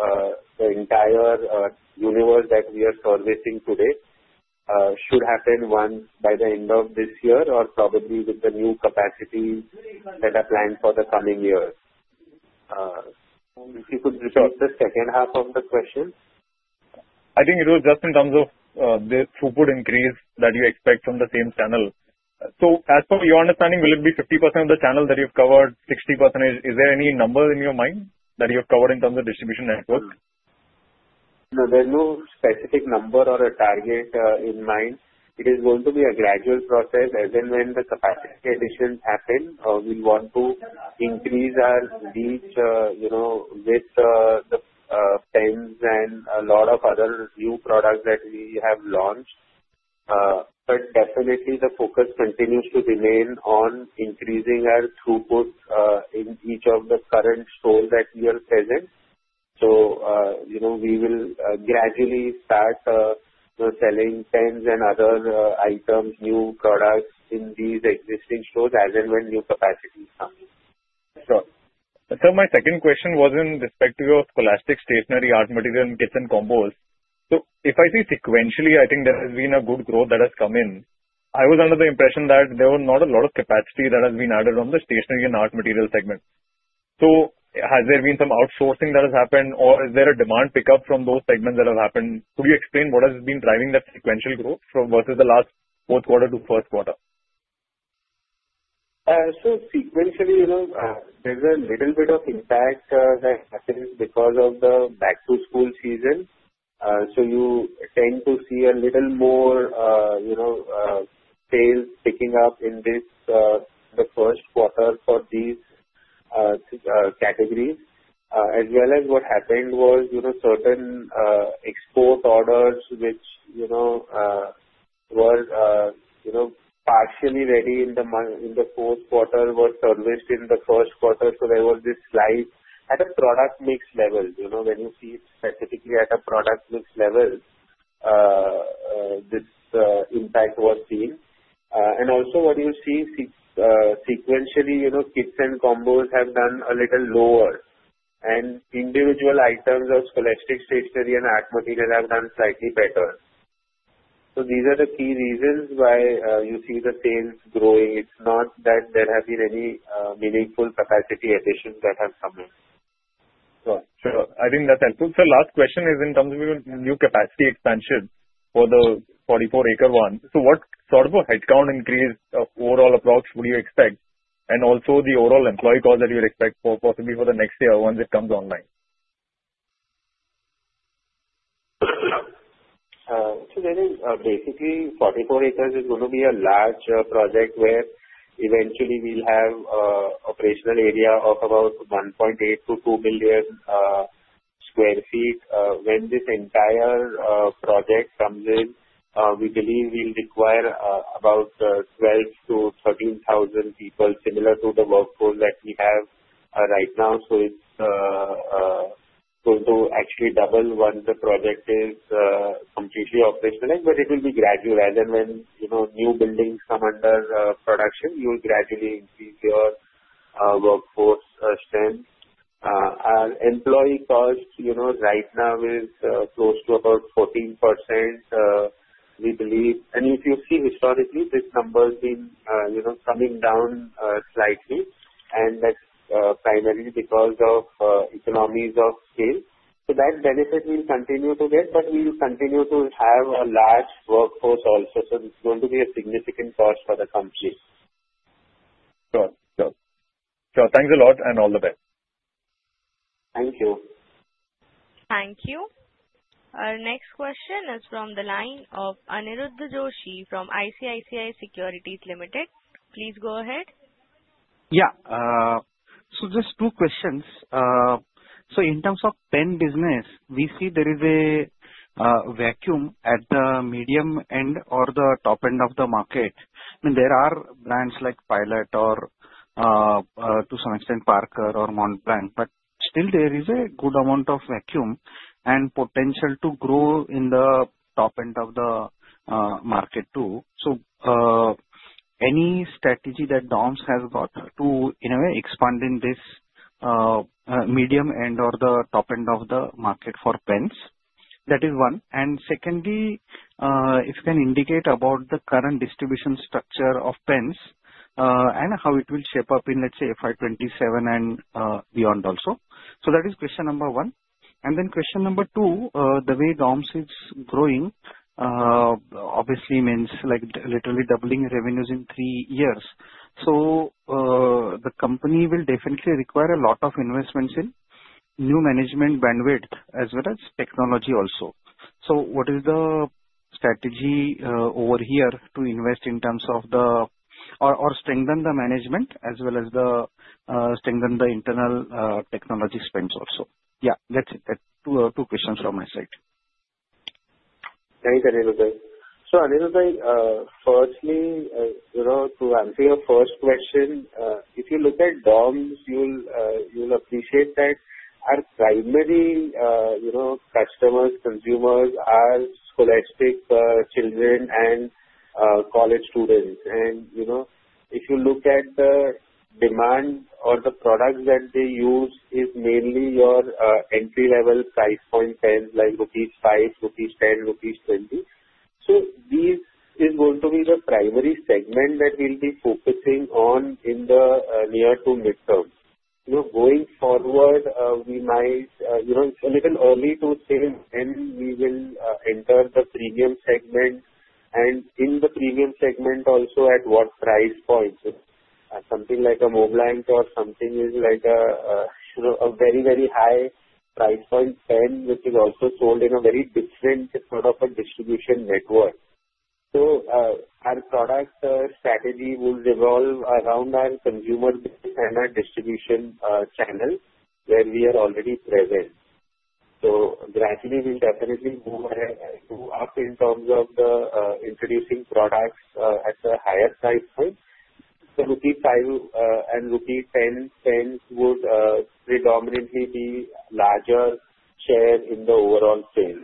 the entire universe that we are servicing today. It should happen by the end of this year or probably with the new capacity that are planned for the coming year. If you could repeat the second half of the question. I think it was just in terms of the throughput increase that you expect from the same channel. As per your understanding, will it be 50% of the channel that you've covered, 60%? Is there any number in your mind that you have covered in terms of distribution networks? No, there's no specific number or a target in mind. It is going to be a gradual process. As and when the capacity additions happen, we'll want to increase our reach, you know, with the pens and a lot of other new products that we have launched. Definitely, the focus continues to remain on increasing our throughput in each of the current stores that we are selling. We will gradually start selling pens and other items, new products in these existing stores as and when new capacities come. Sir, my second question was in respect to your Scholastic Stationery, Scholastic Art Materials, and Kits and Combo. If I say sequentially, I think there has been a good growth that has come in. I was under the impression that there was not a lot of capacity that has been added on the Stationery and Art Material segment. Has there been some outsourcing that has happened, or is there a demand pickup from those segments that have happened? Could you explain what has been driving that sequential growth versus the last fourth quarter to first quarter? Sequentially, there's a little bit of impact that happens because of the Back to School season. You tend to see a little more sales picking up in the first quarter for these categories. What happened was certain export orders which were partially ready in the fourth quarter were serviced in the first quarter because there was this slide at a product mix level. When you see specifically at a product mix level, this impact was seen. Also, what we see sequentially, Kits and Combos have done a little lower, and individual items of Scholastic Stationery and Art Materials have done slightly better. These are the key reasons why you see the sales growing. It's not that there have been any meaningful capacity additions that have come in. Sure. I think that's helpful. Last question is in terms of your new capacity expansion for the 44-acre one. What sort of a headcount increase overall approach would you expect? Also, the overall employee cost that you would expect for possibly for the next year once it comes online? I think basically, 44 acres is going to be a large project where eventually we'll have an operational area of about 1.8 million-2 million sq ft. When this entire project comes in, we believe we'll require about 12,000-13,000 people, similar to the workforce that we have right now. It's going to actually double once the project is completely operationalized. It will be gradual. As and when new buildings come under production, you will gradually increase your workforce strength. Our employee cost right now is close to about 14%, we believe. If you see historically, this number has been coming down slightly. That's primarily because of economies of scale. That benefit will continue to get, but we will continue to have a large workforce also. It's going to be a significant cost for the company. Got it. Got it. Thanks a lot and all the best. Thank you. Thank you. Our next question is from the line of Aniruddha Joshi from ICICI Securities Limited. Please go ahead. Yeah. Just two questions. In terms of pen business, we see there is a vacuum at the medium end or the top end of the market. I mean, there are brands like Pilot or to some extent Parker or Montblanc, but still, there is a good amount of vacuum and potential to grow in the top end of the market too. Any strategy that DOMS has got to, in a way, expand in this medium end or the top end of the market for pens, that is one. Secondly, if you can indicate about the current distribution structure of pens and how it will shape up in, let's say, FY 2027 and beyond also. That is question number one. Then question number two, the way DOMS is growing obviously means like literally doubling revenues in three years. The company will definitely require a lot of investments in new management bandwidth as well as technology also. What is the strategy over here to invest in terms of or strengthen the management as well as strengthen the internal technology spend also? Yeah, that's it. Two questions from my side. Thanks, Aniruddha. Aniruddha, firstly, to answer your first question, if you look at DOMS, you'll appreciate that our primary customers, consumers, are scholastic children and college students. If you look at the demand or the products that they use, it's mainly your entry level rupees 5, rupees 10, rupees 20. This is going to be the primary segment that we'll be focusing on in the near to mid term. Going forward, it might be a little early to say when we will enter the premium segment. In the premium segment also, at what price points? Something like a Montblanc or something with a very, very high price point pen, which is also sold in a very different sort of a distribution network. Our product strategy will revolve around our consumer and our distribution channel where we are already present. Gradually, we'll definitely move up in terms of introducing products at a higher price point. Rupee 5 and rupee 10 pens would predominantly be larger shares in the overall sale.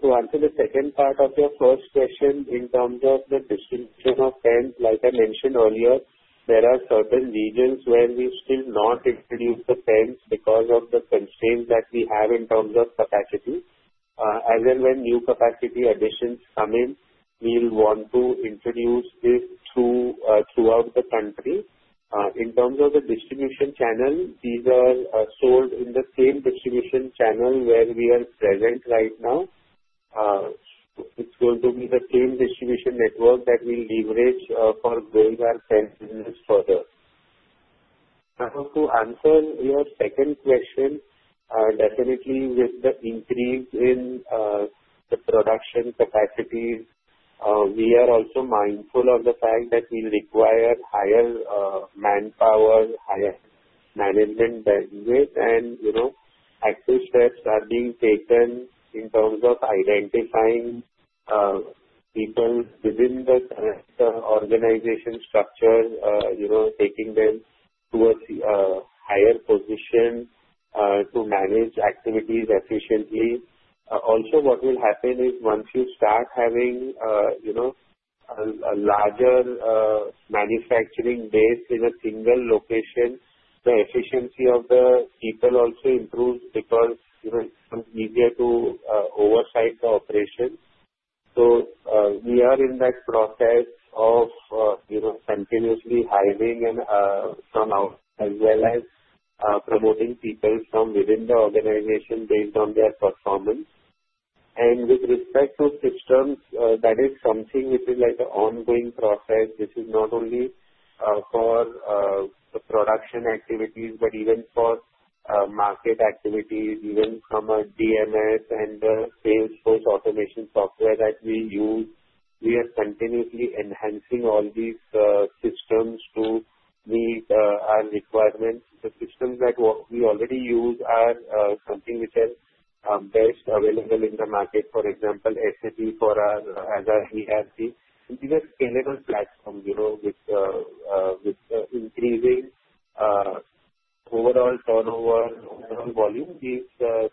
To answer the second part of your first question, in terms of the distribution of pens, like I mentioned earlier, there are certain regions where we've still not introduced the pens because of the constraints that we have in terms of capacity. As and when new capacity additions come in, we'll want to introduce this throughout the country. In terms of the distribution channel, these are sold in the same distribution channel where we are present right now. It's going to be the same distribution network that we leverage for growing our pen business further. To answer your second question, definitely with the increase in the production capacities, we are also mindful of the fact that we require higher manpower, higher management, and active steps are being taken in terms of identifying people within the current organization structure, taking them to a higher position to manage activities efficiently. Also, what will happen is once you start having a larger manufacturing base in a single location, the efficiency of the people also improves because it's easier to oversight the operation. We are in that process of continuously hiring from outside and promoting people from within the organization based on their performance. With respect to systems, that is something which is an ongoing process. This is not only for the production activities, but even for market activities, even from our DMS and the sales force automation software that we use. We are continuously enhancing all these systems to meet our requirements. The systems that we already use are something which is best available in the market. For example, SAP for our other ERP. It is a scalable platform, you know, with increasing overall turnover and overall volume, these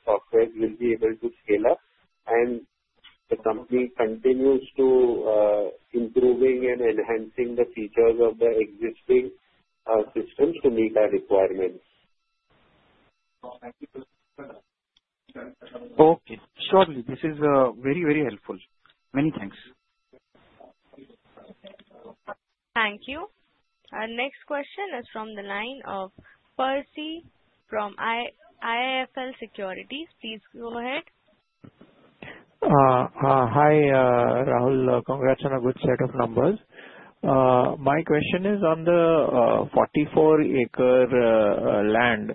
softwares will be able to scale up. The company continues to improve and enhance the features of the existing systems to meet our requirements. Okay, surely this is very, very helpful. Many thanks. Thank you. Our next question is from the line of [Parsi] from IIFL Securities. Please go ahead. Hi, Rahul. Congrats on a good set of numbers. My question is on the 44-acre land.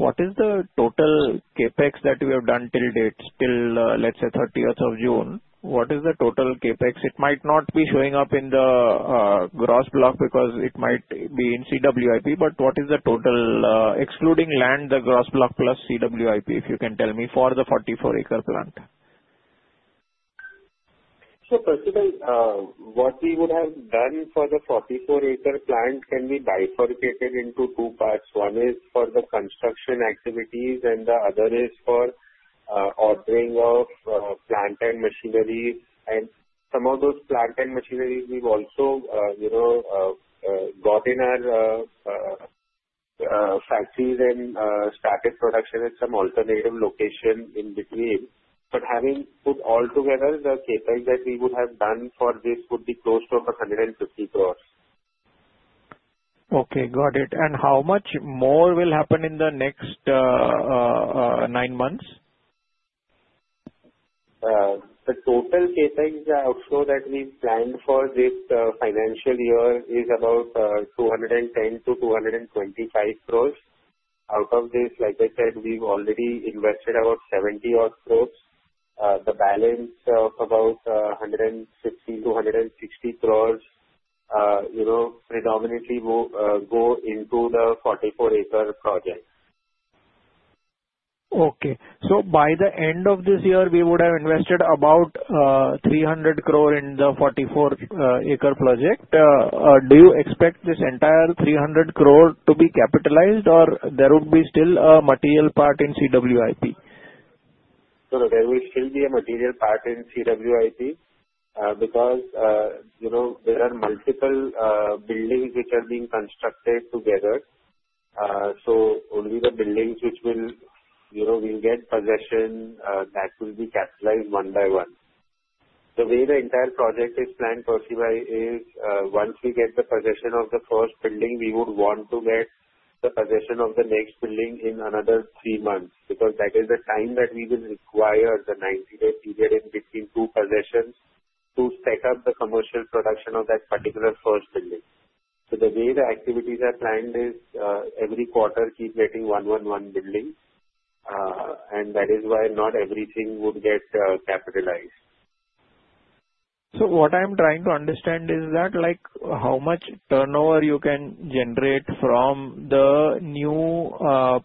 What is the total CapEx that we have done till date, till, let's say, 30th of June? What is the total CapEx? It might not be showing up in the gross block because it might be in CWIP. What is the total, excluding land, the gross block plus CWIP, if you can tell me for the 44-acre plant? First of all, what we would have done for the 44-acre plant can be bifurcated into two parts. One is for the construction activities, and the other is for ordering of plant and machinery. Some of those plant and machinery, we've also got in our factories and started production at some alternative location in between. Having put all together, the CapEx that we would have done for this would be close to over 150 crore. Okay. Got it. How much more will happen in the next nine months? The total CapEx outflow that we've planned for this financial year is about 210-225 crore. Out of this, like I said, we've already invested about 70-odd crore. The balance of about 160, 260 crores, you know, predominantly will go into the 44-acre project. Okay. By the end of this year, we would have invested about 300 crore in the 44-acre project. Do you expect this entire 300 crore to be capitalized, or would there still be a material part in CWIP? There will still be a material part in CWIP because there are multiple buildings which are being constructed together. Only the buildings which we get possession, that will be capitalized one by one. The way the entire project is planned for CY is once we get the possession of the first building, we would want to get the possession of the next building in another three months because that is the time that we will require, the 90-day period in between two possessions, to set up the commercial production of that particular first building. The way the activities are planned is every quarter keep getting [one, one, one] building. That is why not everything would get capitalized. What I'm trying to understand is that, like, how much turnover you can generate from the new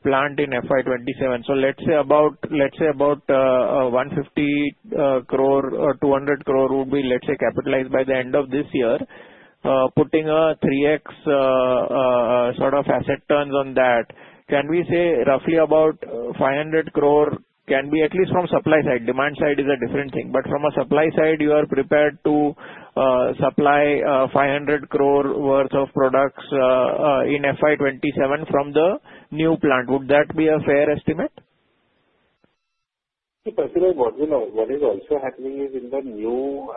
plant in FY 2027. Let's say about 150 crore or 200 crore would be, let's say, capitalized by the end of this year, putting a 3x sort of asset turns on that. Can we say roughly about 500 crore can be at least from supply side? Demand side is a different thing. From a supply side, you are prepared to supply 500 crore worth of products in FY 2027 from the new plant. Would that be a fair estimate? What is also happening in the new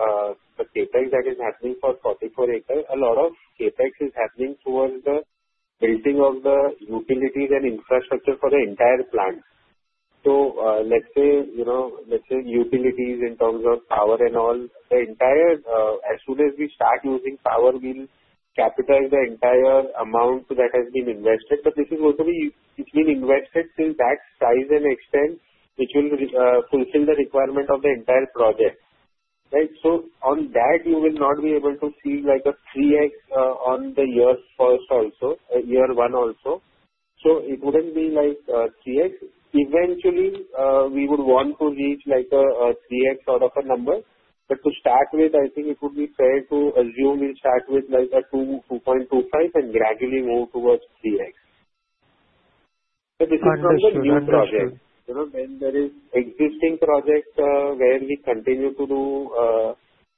CapEx that is happening for 44 acres, a lot of CapEx is happening towards the building of the utilities and infrastructure for the entire plant. Let's say utilities in terms of power and all, as soon as we start using power, we'll capitalize the entire amount that has been invested. This is going to be invested till that size and extent, which will fulfill the requirement of the entire project. On that, you will not be able to see like a 3x on the year first also, year one also. It wouldn't be like 3x. Eventually, we would want to reach like a 3x sort of a number. To start with, I think it would be fair to assume we'll start with like a 2x, 2.25x and gradually move towards 3x. The construction project. When there is existing projects where we continue to do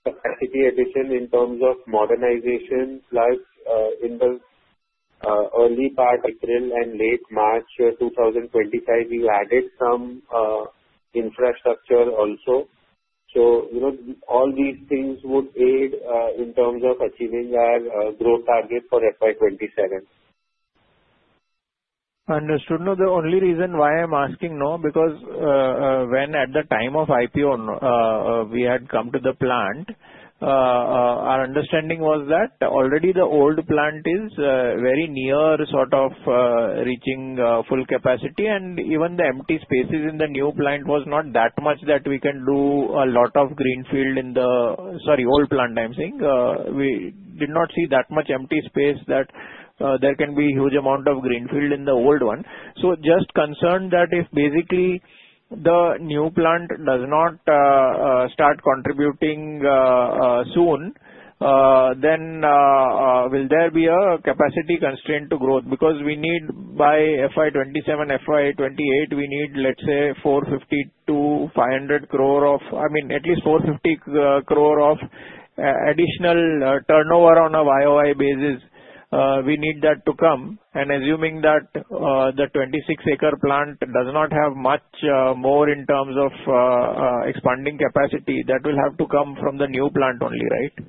capacity addition in terms of modernization slides in the early part, April and late March 2025, we added some infrastructure also. All these things would aid in terms of achieving our growth target for FY 2027. Understood. No, the only reason why I'm asking is because at the time of the IPO, we had come to the plant. Our understanding was that already the old plant is very near to reaching full capacity, and even the empty spaces in the new plant were not that much that we can do a lot of greenfield in the old plant. I'm saying we did not see that much empty space that there can be a huge amount of greenfield in the old one. I am just concerned that if basically the new plant does not start contributing soon, then will there be a capacity constraint to growth? We need by FY 2027, FY 2028, we need let's say, 450-500 crore of, I mean, at least 450 crore of additional turnover on a YOY basis. We need that to come, and assuming that the 26-acre plant does not have much more in terms of expanding capacity, that will have to come from the new plant only, right?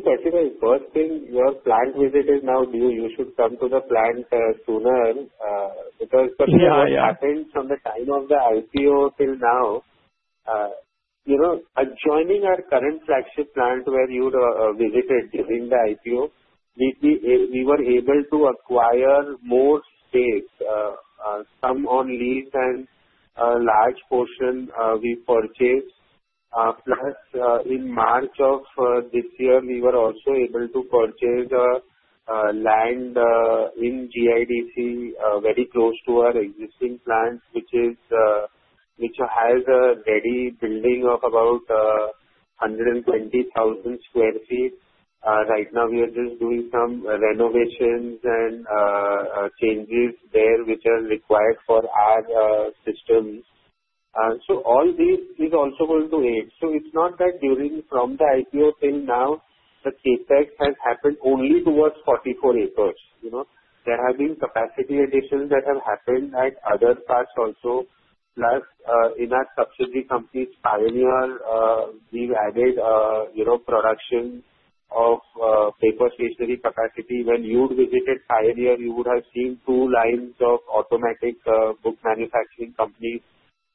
First thing, your plant visitors now, you should come to the plant sooner because I think from the time of the IPO till now, joining our current flagship plant where you visited during the IPO, we were able to acquire more space, some on lease and a large portion we purchased. In March of this year, we were also able to purchase land in GIDC very close to our existing plant, which has a ready building of about 120,000 sq ft. Right now, we are just doing some renovations and changes there which are required for our system. All this is also going to aid. It is not that from the IPO till now, the CapEx has happened only towards 44 acres. There have been capacity additions that have happened at other parts also. In our subsidiary company, Pioneer, we've added a production of paper stationery capacity. When you'd visited Pioneer, you would have seen two lines of automatic book manufacturing companies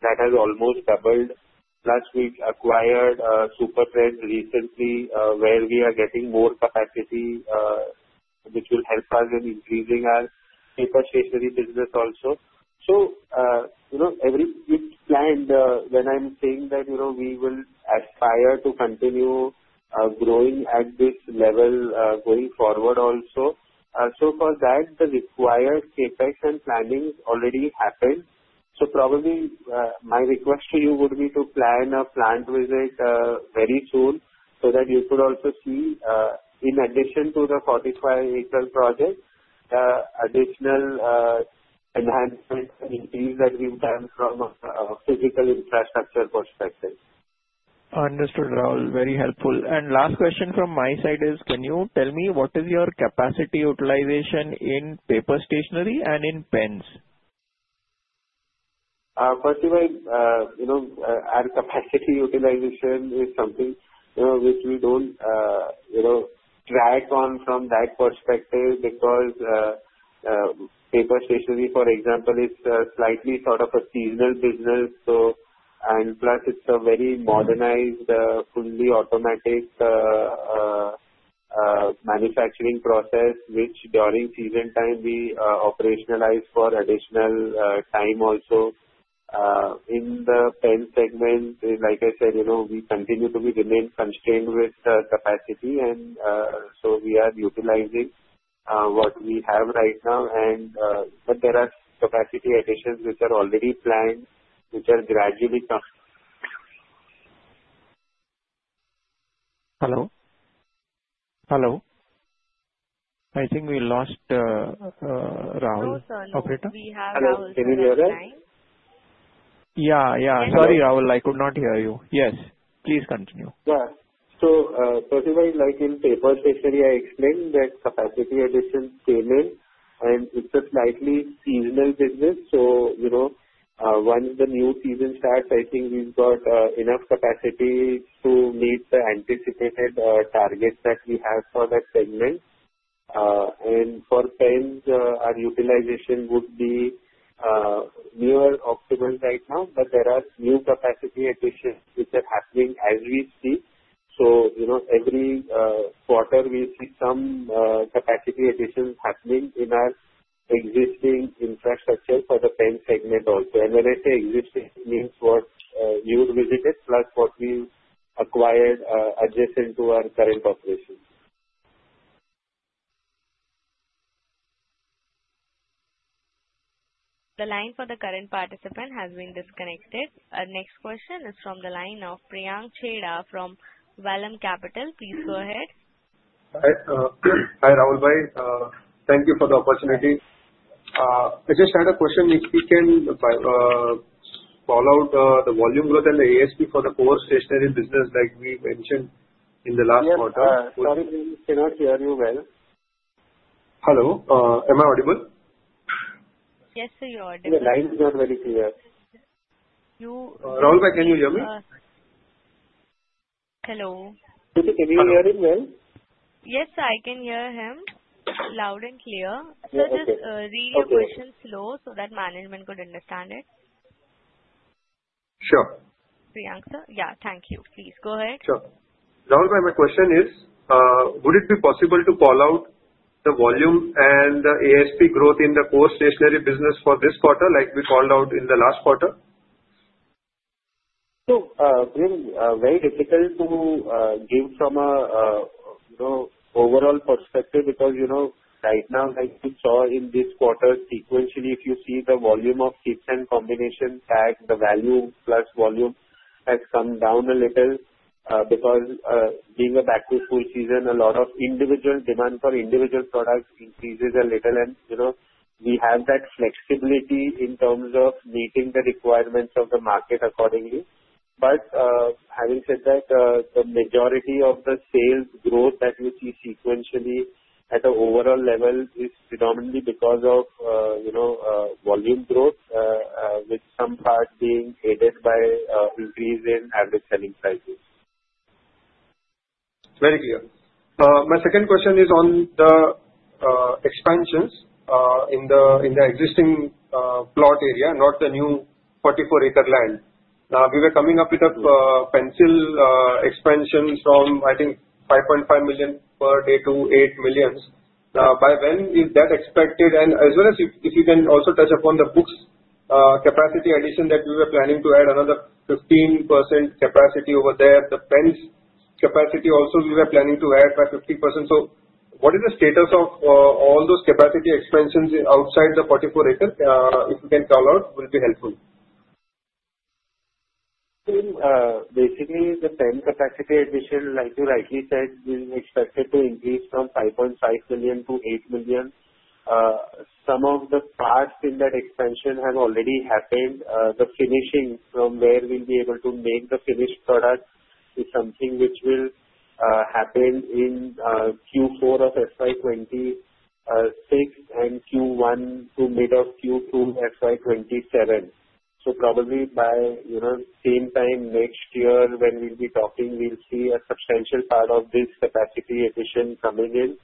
that have almost doubled. We've acquired Super Treads recently where we are getting more capacity, which will help us in increasing our paper stationery business also. Everything planned when I'm saying that we will aspire to continue growing at this level going forward also. For that, the required CapEx and planning already happened. Probably my request to you would be to plan a plant visit very soon so that you could also see, in addition to the 45-acre project, additional enhancements and increases that we've done from a physical infrastructure perspective. Understood, Rahul. Very helpful. Last question from my side is, can you tell me what is your capacity utilization in Paper Stationery and in pens? First of all, our capacity utilization is something we don't track from that perspective because Paper Stationery, for example, is slightly sort of a seasonal business. Plus, it's a very modernized, fully automatic manufacturing process, which during season can be operationalized for additional time also. In the pen segment, like I said, we continue to remain constrained with capacity. We are utilizing what we have right now, and there are capacity additions which are already planned, which are gradually. Hello? Hello? I think we lost Rahul. Oh, sorry. We have Rahul on line. Can you hear us? Yeah, sorry, Rahul. I could not hear you. Yes, please continue. Yeah. First of all, like in Paper Stationery, I explained that capacity additions came in. It's a slightly seasonal business. Once the new season starts, I think we've got enough capacity to meet the anticipated target that we have for that segment. For pens, our utilization would be near optimal right now, but there are new capacity additions which are happening as we've seen. Every quarter, we'll see some capacity additions happening in our existing infrastructure for the pen segment also. When I say existing, it means what you've visited plus what we've acquired adjacent to our current operations. The line for the current participant has been disconnected. Our next question is from the line of Priyank Chheda from Vallum Capital. Please go ahead. Hi, Rahul. Thank you for the opportunity. I just had a question if we can call out the volume growth and the ASP for the core stationery business that we mentioned in the last quarter. Sorry, we cannot hear you well. Hello, am I audible? Yes, sir, you're audible. The lines are not very clear. Rahul, can you hear me? Hello? Shruti, can you hear him well? Yes, sir, I can hear him loud and clear. Sir, just read your question slow so that management could understand it. Sure. Priyank sir, thank you. Please go ahead. Sure. Rahul, my question is, would it be possible to call out the volume and the ASP growth in the core stationery business for this quarter like we called out in the last quarter? Priyank, very difficult to give from an overall perspective because, you know, right now, like we saw in this quarter, sequentially, if you see the volume of Kits and Combination Pack, the value plus volume has come down a little because being a Back to School season, a lot of individual demand for individual products increases a little. We have that flexibility in terms of meeting the requirements of the market accordingly. Having said that, the majority of the sales growth that we see sequentially at an overall level is predominantly because of, you know, volume growth, with some part being aided by increase in average selling prices. Very clear. My second question is on expansions in the existing plot area, not the new 44-acre land. We were coming up with a pencil expansion from, I think, 5.5 million per day to 8 million. By when is that expected? If you can also touch upon the books capacity addition that we were planning to add another 15% capacity over there, the pens capacity also we were planning to add by 50%. What is the status of all those capacity expansions outside the 44 acres? If you can call out, it would be helpful. Basically, the pen capacity addition, like you rightly said, will be expected to increase from 5.5 million-8 million. Some of the parts in that expansion have already happened. The finishing from where we'll be able to make the finished product is something which will happen in Q4 of FY 2026 and Q1 to mid of Q2 FY 2027. Probably by, you know, same time next year when we'll be talking, we'll see a substantial part of this capacity addition coming in.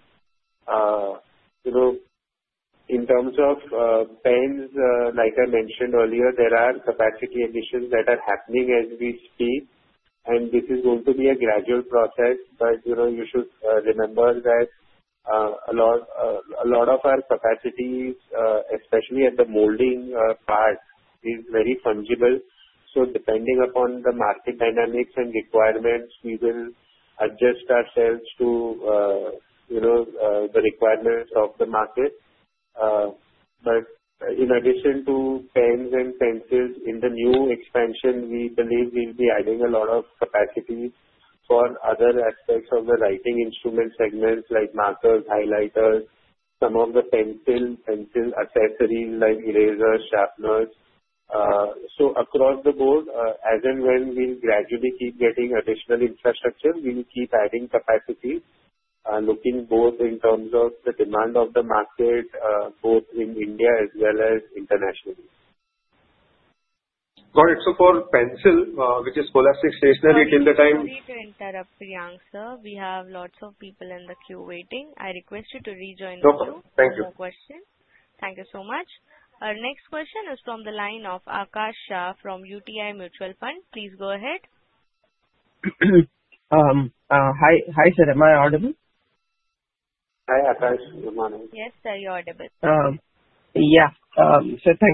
In terms of pens, like I mentioned earlier, there are capacity additions that are happening as we speak. This is going to be a gradual process. You should remember that a lot of our capacity, especially at the molding part, is very fungible. Depending upon the market dynamics and requirements, we will adjust ourselves to the requirements of the market. In addition to pens and pencils in the new expansion, we believe we'll be adding a lot of capacity for other aspects of the writing instrument segments like markers, highlighters, some of the pencil accessories like erasers, sharpeners. Across the board, as and when we'll gradually keep getting additional infrastructure, we'll keep adding capacity, looking both in terms of the demand of the market, both in India as well as internationally. Got it. For Pencil, which is Scholastic Stationery, till the time. We'll need to interrupt, Priyank, sir. We have lots of people in the queue waiting. I request you to rejoin the queue. Thank you. No more questions. Thank you so much. Our next question is from the line of Akash Shah from UTI Mutual Fund. Please go ahead. Hi, sir. Am I audible? Hi, Akash. Good morning. Yes, sir, you're audible. Thank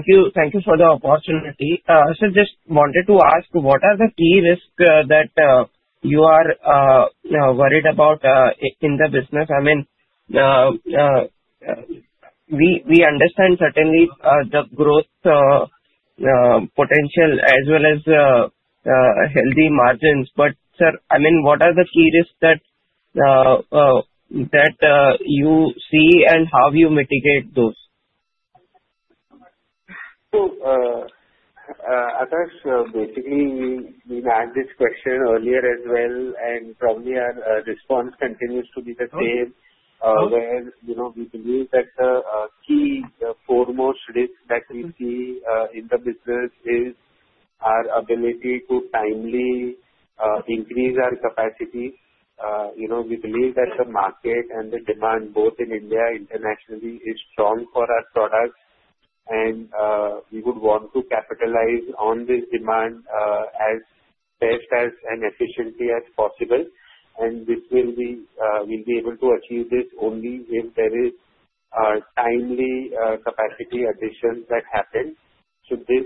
you. Thank you for the opportunity. Sir, just wanted to ask, what are the key risks that you are worried about in the business? I mean, we understand certainly the growth potential as well as healthy margins. What are the key risks that you see and how you mitigate those? Akash, basically, we've had this question earlier as well, and probably our response continues to be the same. We believe that the key foremost risk that we see in the business is our ability to timely increase our capacity. We believe that the market and the demand both in India and internationally is strong for our product, and we would want to capitalize on this demand as best as an efficiency as possible. This will be, we'll be able to achieve this only if there is a timely capacity addition that happens. This,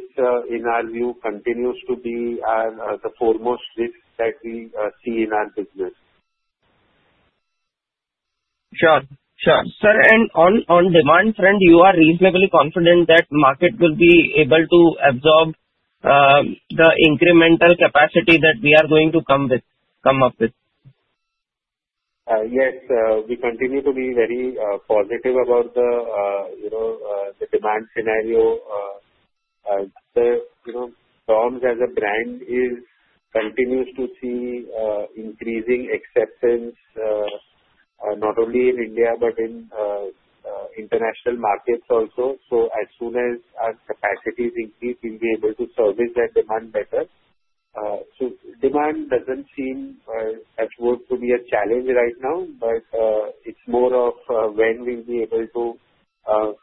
in our view, continues to be the foremost risk that we see in our business. Sure, sure. Sir, and on the demand front, you are reasonably confident that the market will be able to absorb the incremental capacity that we are going to come up with? Yes. We continue to be very positive about the demand scenario. DOMS as a brand continues to see increasing exceptions not only in India but in international markets also. As soon as our capacity increases, we'll be able to service that demand better. Demand doesn't seem to be a challenge right now, it's more of when we'll be able to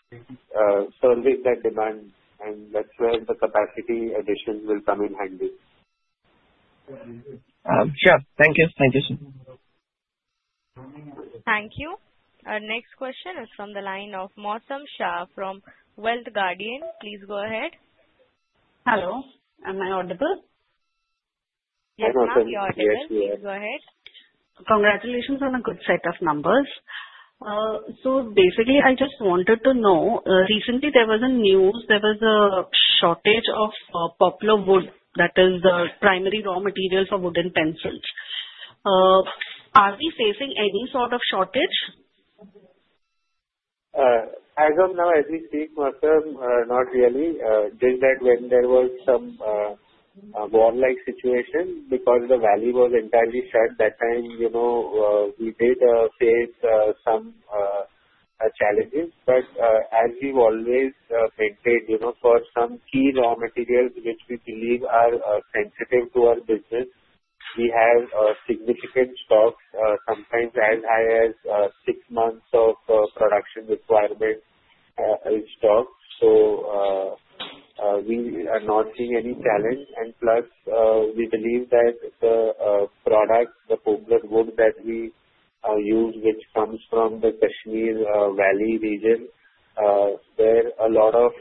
service that demand, and that's where the capacity additions will come in handy. Sure. Thank you. Thank you, sir. Thank you. Our next question is from the line of Mosam Shah from Wealth Guardian. Please go ahead. Hello. Am I audible? Yes, ma'am. You're audible. Yes, yes. Go ahead. Congratulations on a good set of numbers. I just wanted to know, recently, there was news there was a shortage of poplar wood, that is the primary raw material for wooden pencils. Are we facing any sort of shortage? As of now, as we speak, Mosam, not really. I think that when there was some war-like situation because the valley was entirely shut that time, you know we did face some challenges. As we've always said, for some key raw materials which we believe are sensitive to our business, we have significant stocks, sometimes as high as six months of production requirement in stock. We are not seeing any challenge. Plus, we believe that the product, the poplar wood that we use, which comes from the Kashmir Valley region, where a lot of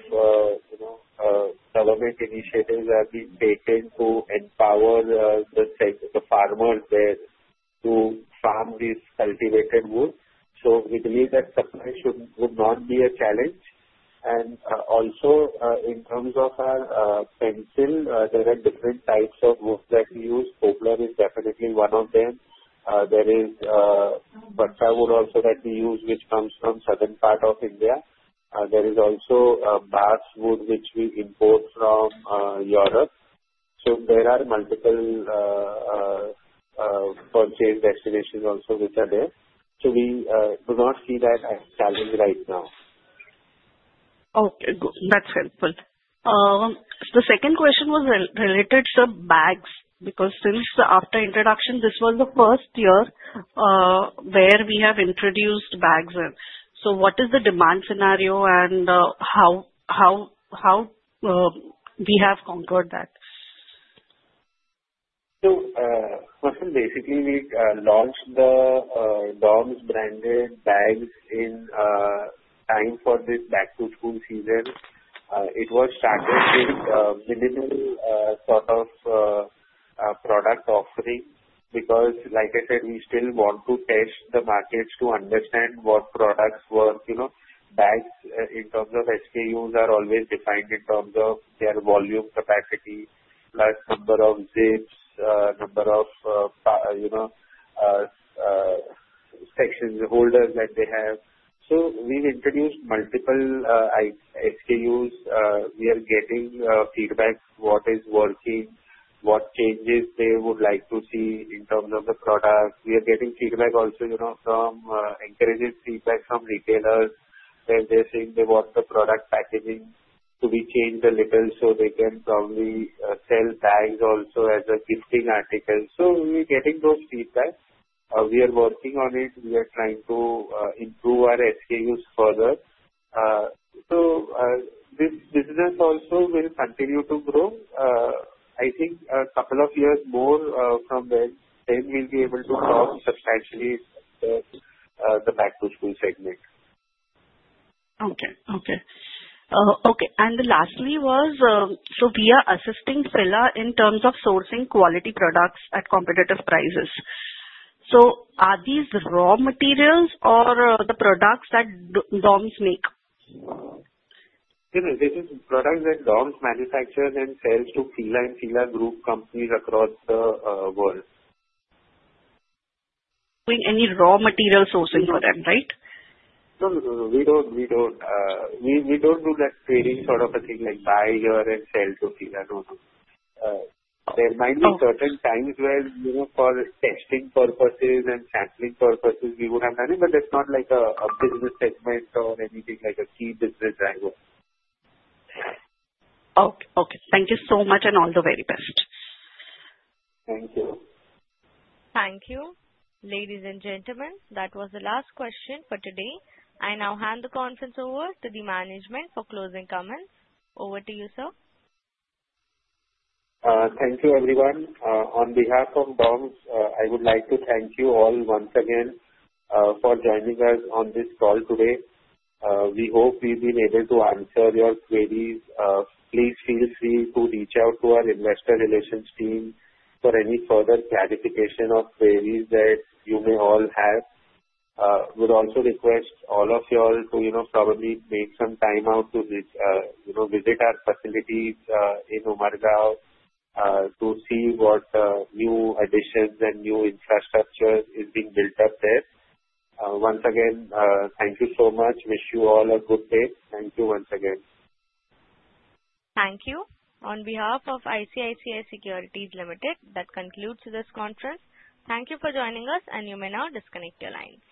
government initiatives are being taken to empower the farmer there to farm this cultivated wood, we believe that supply should not be a challenge. Also, in terms of our pencil, there are different types of wood that we use. Poplar is definitely one of them. There is [fir] wood also that we use, which comes from the southern part of India. There is also a birch wood, which we import from Europe. There are multiple purchase destinations also which are there. We do not see that as a challenge right now. Okay. Good. That's helpful. The second question was related to bags because after introduction, this was the first year where we have introduced bags in. What is the demand scenario and how we have conquered that? First, we launched the DOMS branded bags in time for the Back to School season. It was started with a minimal sort of product offering because, like I said, we still want to test the markets to understand what products work. Bags, in terms of SKUs, are always defined in terms of their volume capacity, plus number of zips, number of sections, the holders that they have. We've introduced multiple SKUs. We are getting feedback, what is working, what changes they would like to see in terms of the product. We are getting encouraging feedback from retailers that they're saying they want the product packaging to be changed a little so they can probably sell bags also as a gifting article. We're getting those feedback. We are working on it. We are trying to improve our SKUs further. This business also will continue to grow. I think a couple of years more come then, then we'll be able to cross, especially the Back to School segment. Okay. Okay. Lastly, we are assisting FILA. in terms of sourcing quality products at competitive prices. Are these raw materials or the products that DOMS make? No, no. This is products that DOMS manufactures and sells to FILA and FILA Group companies across the world. Doing any raw material sourcing for them, right? No, no, no. We don't do that trading sort of a thing like buy here and sell to FILA. There might be certain times where, you know, for testing purposes and factory purposes, we would have done it, but that's not like a business segment or anything like a key business driver. Okay. Thank you so much and all the very best. Thank you. Ladies and gentlemen, that was the last question for today. I now hand the conference over to the management for closing comments. Over to you, sir. Thank you, everyone. On behalf of DOMS, I would like to thank you all once again for joining us on this call today. We hope we've been able to answer your queries. Please feel free to reach out to our investor relations team for any further clarification of queries that you may all have. We'd also request all of you to, you know, probably make some time out to visit our facilities in Umbergaon to see what new additions and new infrastructure is being built up there. Once again, thank you so much. Wish you all a good day. Thank you once again. Thank you. On behalf of ICICI Securities Limited, that concludes this conference. Thank you for joining us, and you may now disconnect your lines.